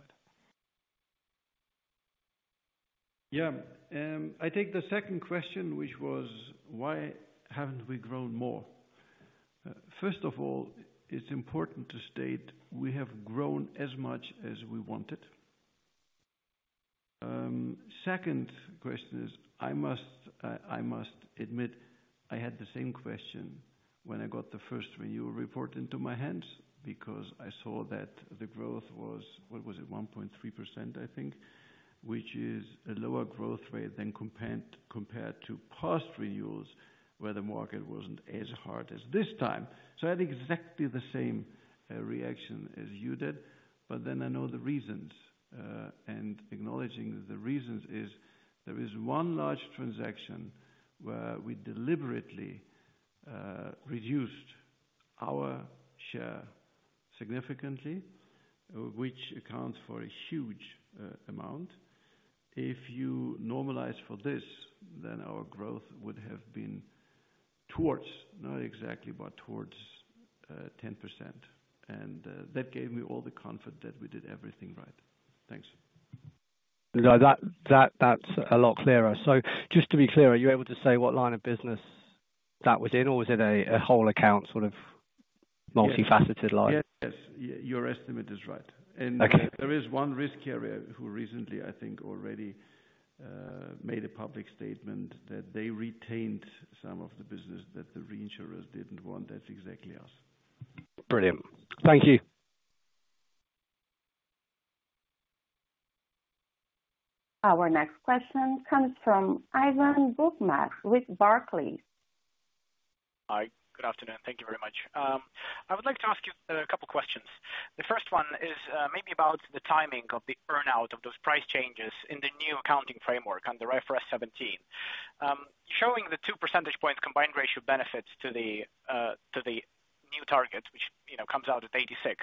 I take the second question, which was, why haven't we grown more? First of all, it's important to state we have grown as much as we wanted. Second question is, I must admit, I had the same question when I got the first renewal report into my hands, because I saw that the growth was, what was it? 1.3%, I think, which is a lower growth rate than compared to past renewals, where the market wasn't as hard as this time. I had exactly the same reaction as you did. I know the reasons, and acknowledging the reasons is there is one large transaction where we deliberately reduced our share significantly, which accounts for a huge amount. If you normalize for this, then our growth would have been towards, not exactly, but towards, 10%. That gave me all the comfort that we did everything right. Thanks. No, that's a lot clearer. Just to be clear, are you able to say what line of business that was in? Or was it a whole account, sort of multifaceted line? Yes. Your estimate is right. Okay. There is one risk carrier who recently, I think, already made a public statement that they retained some of the business that the reinsurers didn't want. That's exactly us. Brilliant. Thank you. Our next question comes from Ivan Bokhmat with Barclays. Hi. Good afternoon. Thank you very much. I would like to ask you a couple questions. The first one is maybe about the timing of the burnout of those price changes in the new accounting framework under IFRS 17. Showing the 2 percentage points combined ratio benefits to the new target, which, you know, comes out at 86%.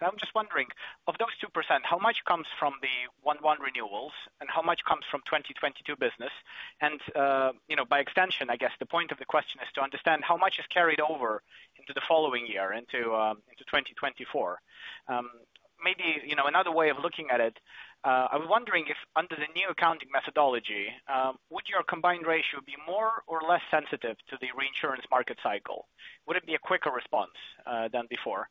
I'm just wondering, of those 2%, how much comes from the 1/1 renewals and how much comes from 2022 business? You know, by extension, I guess the point of the question is to understand how much is carried over into the following year into 2024. Maybe, you know, another way of looking at it, I was wondering if under the new accounting methodology, would your combined ratio be more or less sensitive to the reinsurance market cycle? Would it be a quicker response than before?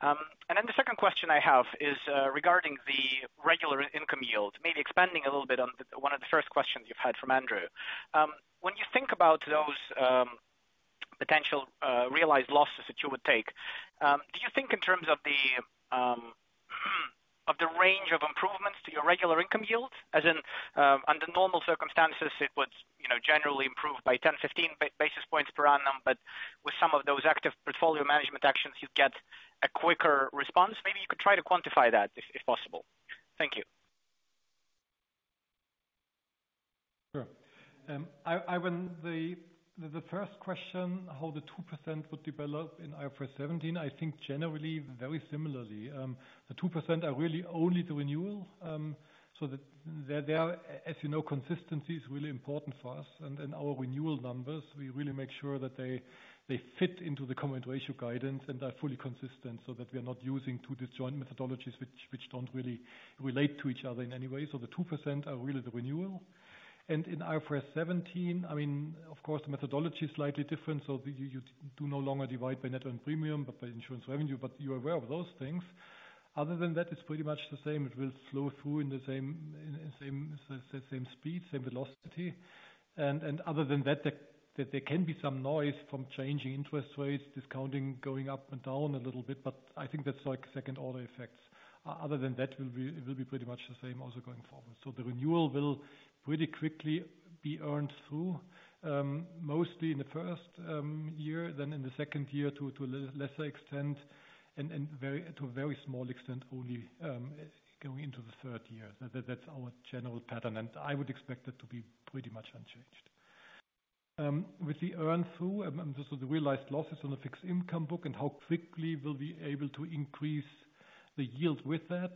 The second question I have is regarding the regular income yield, maybe expanding a little bit on one of the first questions you've had from Andrew. When you think about those potential realized losses that you would take, do you think in terms of the of the range of improvements to your regular income yield, as in, under normal circumstances, it would, you know, generally improve by 10, 15 basis points per annum, with some of those active portfolio management actions, you get a quicker response. Maybe you could try to quantify that if possible. Thank you. Sure. When the first question, how the 2% would develop in IFRS 17, I think generally very similarly. The 2% are really only the renewal, so that they are, as you know, consistency is really important for us. Our renewal numbers, we really make sure that they fit into the combined ratio guidance and are fully consistent so that we are not using two disjoint methodologies which don't really relate to each other in any way. The 2% are really the renewal. In IFRS 17, I mean, of course, the methodology is slightly different, so you do no longer divide by net on premium, but by insurance revenue. You are aware of those things. Other than that, it's pretty much the same. It will flow through in the same, in the same speed, same velocity. Other than that, there can be some noise from changing interest rates, discounting going up and down a little bit, but I think that's like second order effects. Other than that, it will be pretty much the same also going forward. The renewal will pretty quickly be earned through, mostly in the first year than in the second year to a lesser extent and to a very small extent, only going into the third year. That's our general pattern. I would expect it to be pretty much unchanged. With the earn through, this is the realized losses on the fixed income book and how quickly we'll be able to increase the yield with that.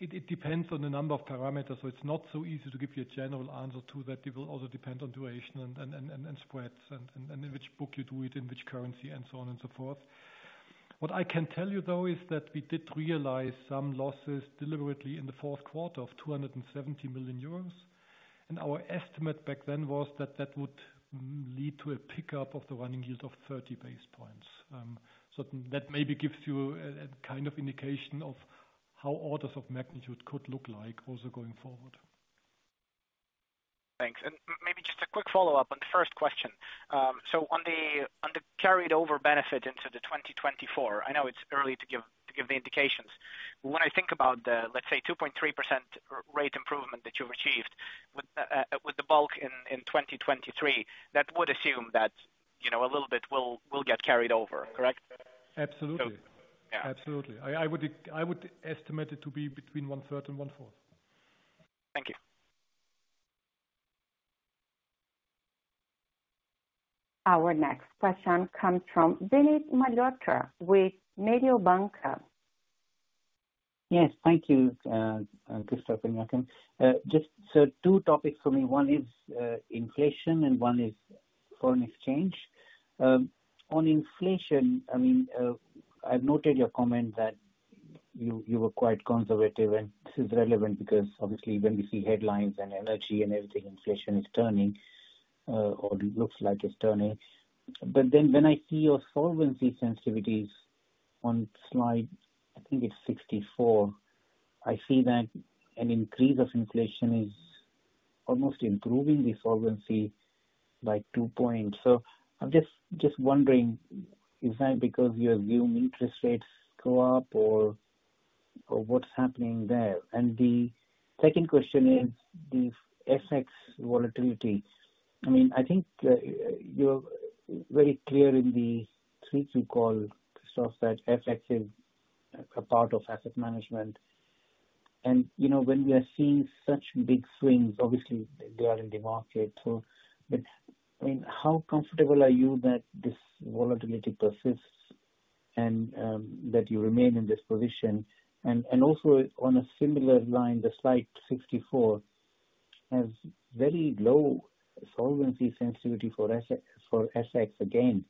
It depends on the number of parameters. It's not so easy to give you a general answer to that. It will also depend on duration and spreads and in which book you do it, in which currency, and so on and so forth. What I can tell you, though, is that we did realize some losses deliberately in the fourth quarter of 270 million euros. Our estimate back then was that that would lead to a pickup of the running yield of 30 basis points. That maybe gives you a kind of indication of how orders of magnitude could look like also going forward. Thanks. Maybe just a quick follow-up on the first question. On the carried over benefit into 2024, I know it's early to give the indications. When I think about the, let's say, 2.3% rate improvement that you've achieved with the bulk in 2023, that would assume that, you know, a little bit will get carried over, correct? Absolutely. Yeah. Absolutely. I would estimate it to be between 1/3 and 1/4. Thank you. Our next question comes from Vinit Malhotra with Mediobanca. Yes. Thank you, Christoph and Joachim. Just two topics for me. One is inflation, and one is foreign exchange. On inflation, I mean, I've noted your comment that you were quite conservative, and this is relevant because obviously when we see headlines and energy and everything, inflation is turning, or it looks like it's turning. When I see your solvency sensitivities on slide, I think it's 64, I see that an increase of inflation is almost improving the solvency by two points. I'm just wondering, is that because you assume interest rates go up or what's happening there? The second question is the FX volatility. I mean, I think you're very clear in the Q2 call to show that FX is a part of asset management. You know, when we are seeing such big swings, obviously they are in the market. But, I mean, how comfortable are you that this volatility persists and that you remain in this position? Also on a similar line, the slide 64 has very low solvency sensitivity for FX, for FX again.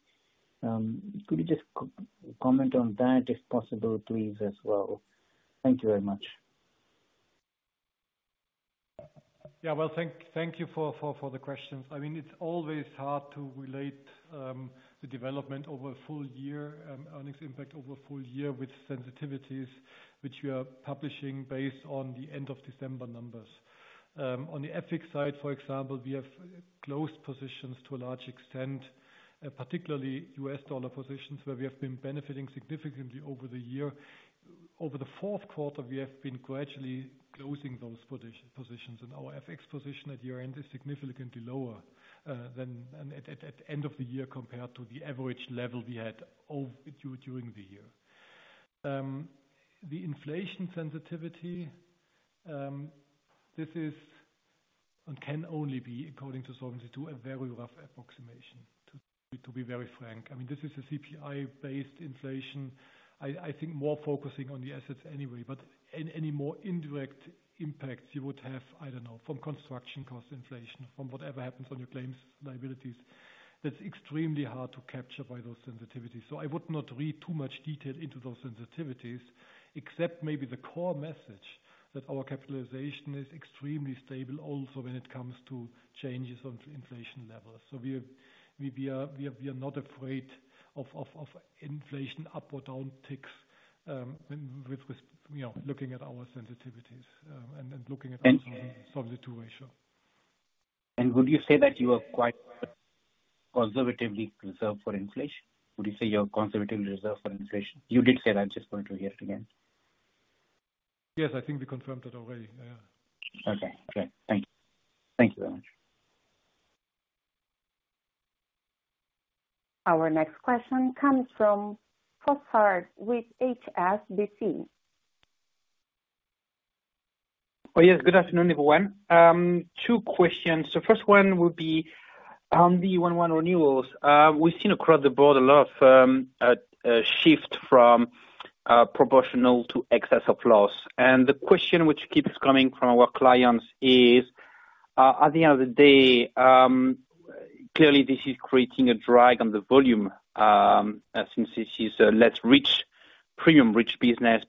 Could you just comment on that if possible, please, as well? Thank you very much. Yeah. Well, thank you for the questions. I mean, it's always hard to relate the development over a full year, earnings impact over a full year with sensitivities which we are publishing based on the end of December numbers. On the FX side, for example, we have closed positions to a large extent, particularly US dollar positions where we have been benefiting significantly over the year. Over the fourth quarter, we have been gradually closing those positions, and our FX position at year-end is significantly lower than at end of the year compared to the average level we had over during the year. The inflation sensitivity, this is and can only be, according to Solvency II, to a very rough approximation, to be very frank. I mean, this is a CPI-based inflation. I think more focusing on the assets anyway, but any more indirect impacts you would have, I don't know, from construction cost inflation, from whatever happens on your claims liabilities, that's extremely hard to capture by those sensitivities. I would not read too much detail into those sensitivities, except maybe the core message that our capitalization is extremely stable also when it comes to changes on inflation levels. We are not afraid of inflation up or down ticks, with, you know, looking at our sensitivities, and looking at those in the Solvency II ratio. Would you say that you are quite conservatively reserved for inflation? Would you say you're conservatively reserved for inflation? You did say that just going through it again. Yes. I think we confirmed it already. Yeah. Okay. Great. Thank you. Thank you very much. Our next question comes from Fossard with HSBC. Oh, yes. Good afternoon, everyone. Two questions. The first one would be on the 1/1 renewals. We've seen across the board a lot of shift from proportional to excess of loss. The question which keeps coming from our clients is, at the end of the day, clearly this is creating a drag on the volume, since this is a less rich, premium rich business.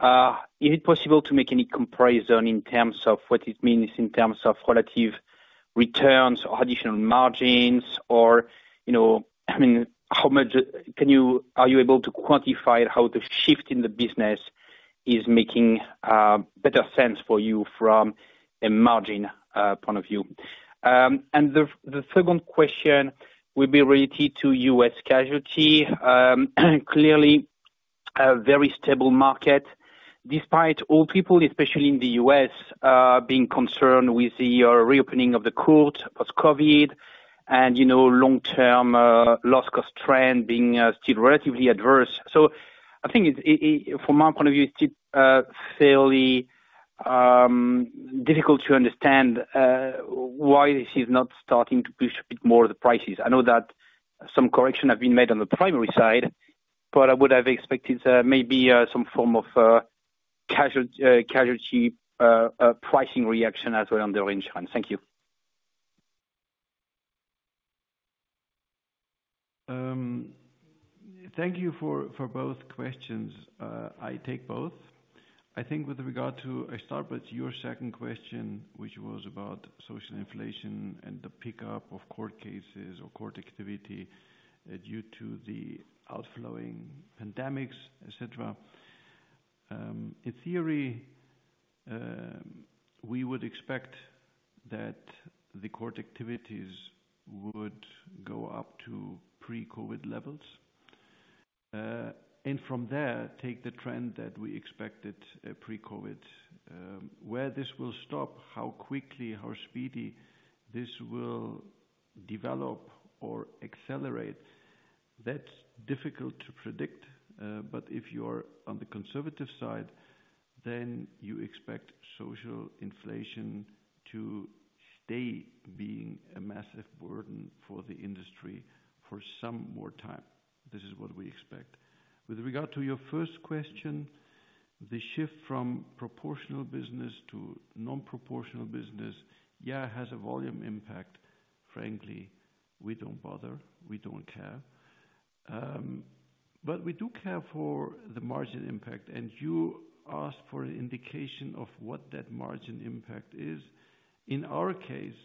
Is it possible to make any comparison in terms of what it means in terms of relative returns or additional margins or, you know, I mean, how much are you able to quantify how the shift in the business is making better sense for you from a margin point of view? The second question will be related to U.S. casualty. Clearly a very stable market despite all people, especially in the U.S., being concerned with the reopening of the court post-COVID and, you know, long-term loss cost trend being still relatively adverse. I think it's from my point of view, it's still fairly difficult to understand why this is not starting to push a bit more of the prices. I know that some correction have been made on the primary side, but I would have expected maybe some form of casualty pricing reaction as well on the range front. Thank you. Thank you for both questions. I take both. I start with your second question, which was about social inflation and the pickup of court cases or court activity due to the outflowing pandemics, et cetera. In theory, we would expect that the court activities would go up to pre-COVID levels and from there take the trend that we expected pre-COVID. Where this will stop, how quickly, how speedy this will develop or accelerate, that's difficult to predict. If you're on the conservative side, then you expect social inflation to stay being a massive burden for the industry for some more time. This is what we expect. With regard to your first question, the shift from proportional business to non-proportional business, it has a volume impact. Frankly, we don't bother. We don't care. We do care for the margin impact. You asked for an indication of what that margin impact is. In our case,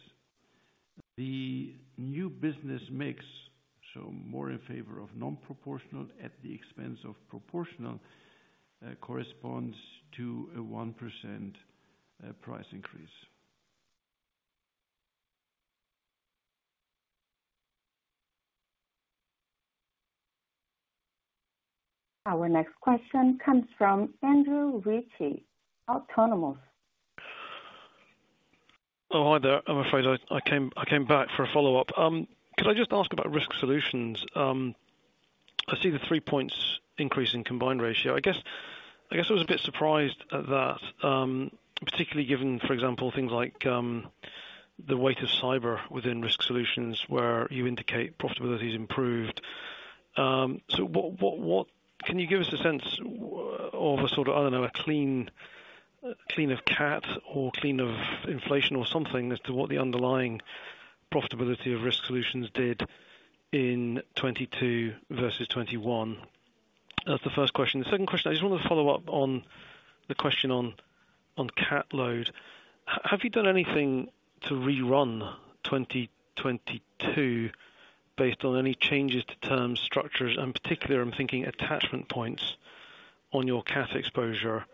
the new business mix, so more in favor of non-proportional at the expense of proportional, corresponds to a 1% price increase. Our next question comes from Andrew Ritchie, Autonomous. Oh, hi there. I'm afraid I came back for a follow-up. Could I just ask about Risk Solutions? I see the three points increase in combined ratio. I guess I was a bit surprised at that, particularly given, for example, things like the weight of cyber within Risk Solutions, where you indicate profitability's improved. Can you give us a sense of a sort of, I don't know, a clean of CAT or clean of inflation or something as to what the underlying profitability of Risk Solutions did in 22 versus 21? That's the first question. The second question, I just want to follow up on the question on CAT load. Have you done anything to rerun 2022 based on any changes to terms, structures, and particularly I'm thinking attachment points on your CAT exposure?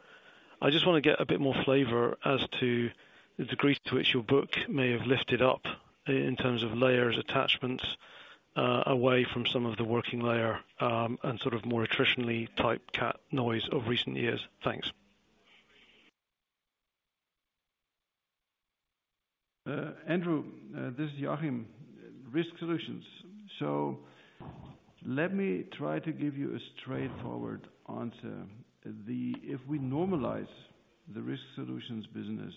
I just want to get a bit more flavor as to the degree to which your book may have lifted up in terms of layers, attachments, away from some of the working layer, and sort of more attritionally type cat noise of recent years. Thanks. Andrew, this is Joachim. Risk Solutions. Let me try to give you a straightforward answer. If we normalize the Risk Solutions business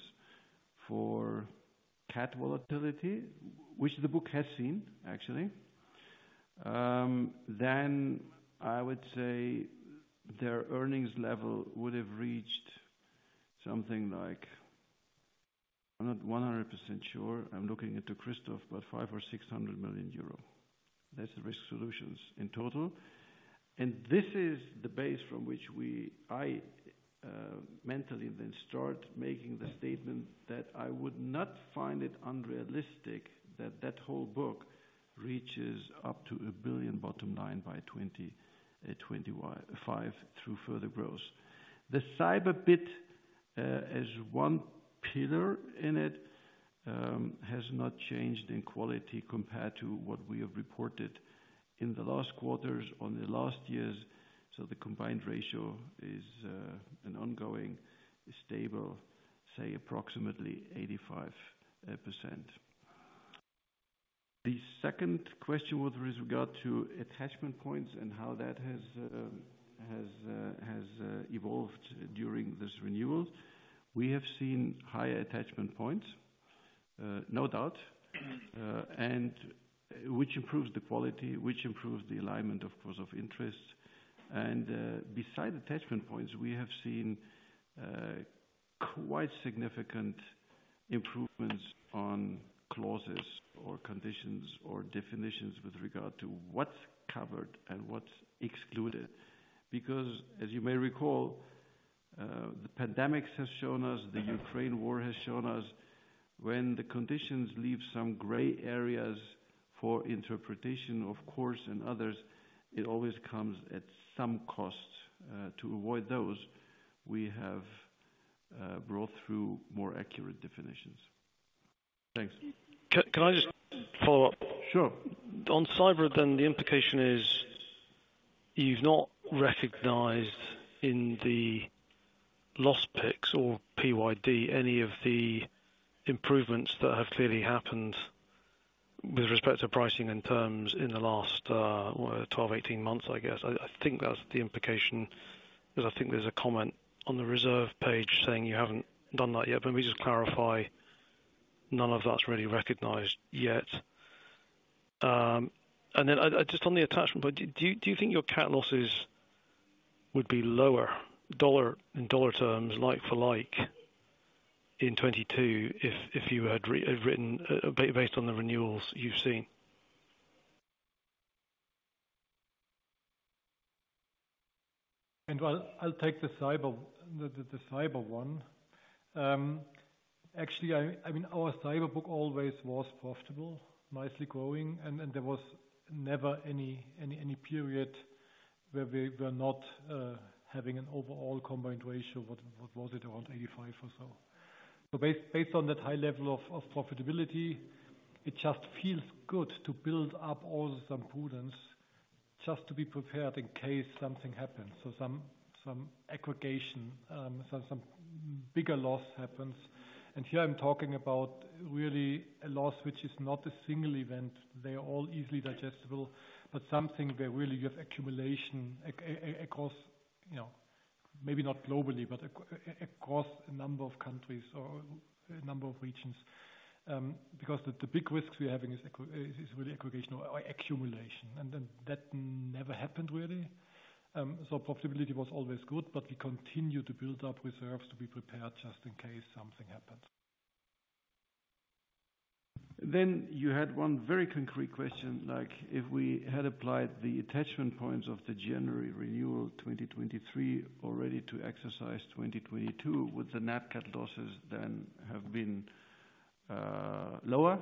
for cat volatility, which the book has seen actually, then I would say their earnings level would have reached something like... I'm not 100% sure. I'm looking into Christoph, but 500 million-600 million euro. That's Risk Solutions in total. This is the base from which I mentally then start making the statement that I would not find it unrealistic that that whole book reaches up to 1 billion bottom line by 2025 through further growth. The cyber bit, as one pillar in it, has not changed in quality compared to what we have reported in the last quarters on the last years. The combined ratio is an ongoing, stable, say approximately 85%. The second question was with regard to attachment points and how that has evolved during this renewal. We have seen higher attachment points, no doubt, and which improves the quality, which improves the alignment, of course, of interests. Beside attachment points, we have seen quite significant improvements on clauses or conditions or definitions with regard to what's covered and what's excluded. As you may recall, the pandemics has shown us, the Ukraine War has shown us, when the conditions leave some gray areas for interpretation, of course, and others, it always comes at some cost. To avoid those, we have brought through more accurate definitions. Thanks. Can I just follow up? Sure. On cyber, the implication is you've not recognized in the loss picks or PYD any of the improvements that have clearly happened with respect to pricing and terms in the last, what, 12, 18 months, I guess. I think that's the implication, because I think there's a comment on the reserve page saying you haven't done that yet. Let me just clarify, none of that's really recognized yet. Just on the attachment point, do you think your cat losses would be lower dollar, in dollar terms, like for like in 2022, if you had written, based on the renewals you've seen? Well, I'll take the cyber one. Actually, I mean, our cyber book always was profitable, nicely growing, and there was never any period where we were not having an overall combined ratio. What was it? Around 85 or so. Based on that high level of profitability, it just feels good to build up all this prudence just to be prepared in case something happens. Some aggregation, some bigger loss happens. Here I'm talking about really a loss which is not a single event. They are all easily digestible. Something where really you have accumulation across, you know, maybe not globally, but across a number of countries or a number of regions. Because the big risks we're having is really aggregation or accumulation, and that never happened, really. Profitability was always good, but we continue to build up reserves to be prepared just in case something happens. You had one very concrete question, like, if we had applied the attachment points of the January renewal 2023 already to exercise 2022, would NatCat losses then have been lower?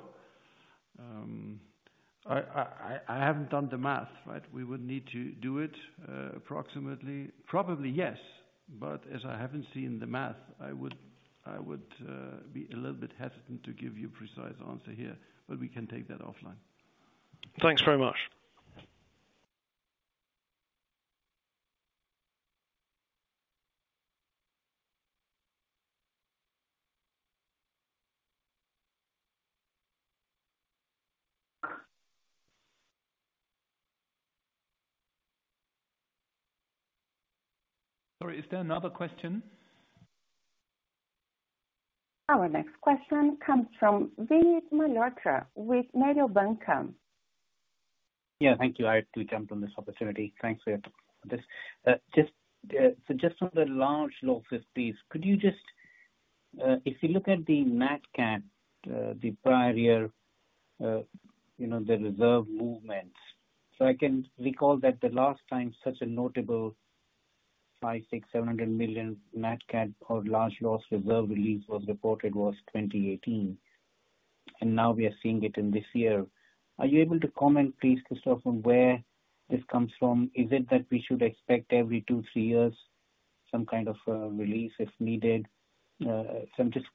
I haven't done the math, but we would need to do it. Approximately. Probably, yes. As I haven't seen the math, I would be a little bit hesitant to give you precise answer here. We can take that offline. Thanks very much. Sorry. Is there another question? Our next question comes from Vinit Malhotra with Mediobanca. Yeah. Thank you. I had to jump on this opportunity. Thanks for this. Just on the large losses piece, could you just, if you look at NatCat, the prior year, you know, the reserve movements. I can recall that the last time such a notable 500 million-700 NatCat or large loss reserve release was reported was 2018. Now we are seeing it in this year. Are you able to comment, please, Christoph, on where this comes from? Is it that we should expect every two-three years some kind of release if needed? I'm just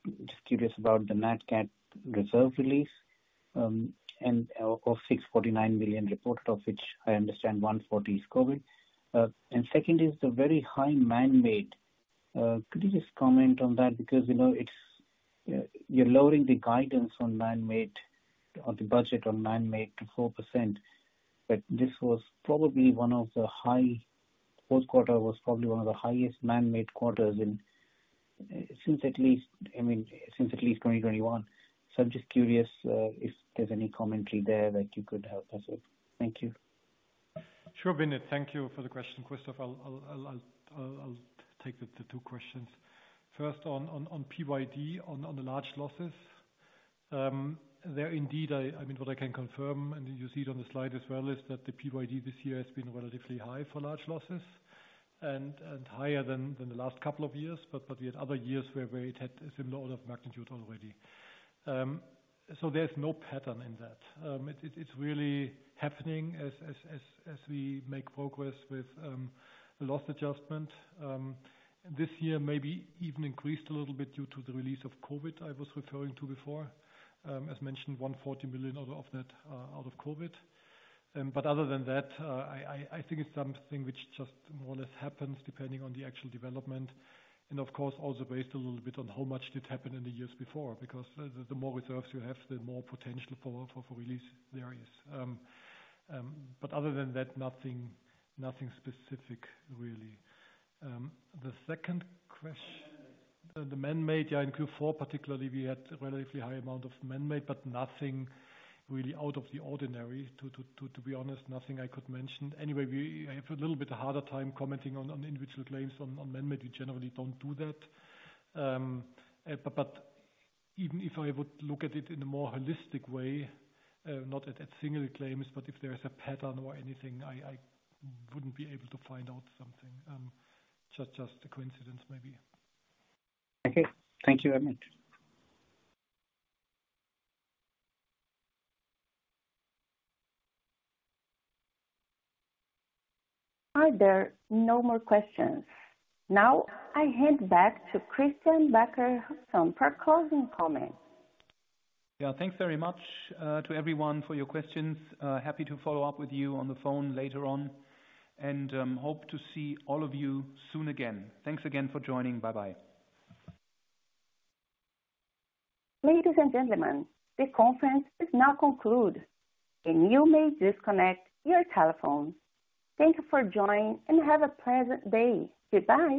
curious about NatCat reserve release, and of course 649 million reported, of which I understand 140 million is COVID. And second is the very high man-made. Could you just comment on that? You know, you're lowering the guidance on man-made, or the budget on man-made to 4%. Fourth quarter was probably one of the highest man-made quarters in, since at least, I mean, 2021. I'm just curious if there's any commentary there that you could help us with. Thank you. Sure, Vinit. Thank you for the question. Christoph, I'll take the two questions. First, on PYD, on the large losses. There indeed, I mean, what I can confirm, and you see it on the slide as well, is that the PYD this year has been relatively high for large losses and higher than the last couple of years. We had other years where it had a similar order of magnitude already. There's no pattern in that. It's really happening as we make progress with loss adjustment. This year maybe even increased a little bit due to the release of COVID I was referring to before. As mentioned, 140 million of that out of COVID. Other than that, I think it's something which just more or less happens depending on the actual development. And of course, also based a little bit on how much did happen in the years before. Because the more reserves you have, the more potential for release there is. Other than that, nothing specific really. The man-made. The man-made, yeah. In Q4 particularly, we had a relatively high amount of man-made, but nothing really out of the ordinary, to be honest. Nothing I could mention. We have a little bit harder time commenting on individual claims on man-made. We generally don't do that. Even if I would look at it in a more holistic way, not at single claims, but if there's a pattern or anything, I wouldn't be able to find out something. Just a coincidence, maybe. Okay. Thank you very much. Are there no more questions? Now I hand back to Christian Becker-Hussong for closing comments. Yeah. Thanks very much to everyone for your questions. Happy to follow up with you on the phone later on. Hope to see all of you soon again. Thanks again for joining. Bye-bye. Ladies and gentlemen, the conference is now concluded. You may disconnect your telephones. Thank you for joining. Have a pleasant day. Goodbye.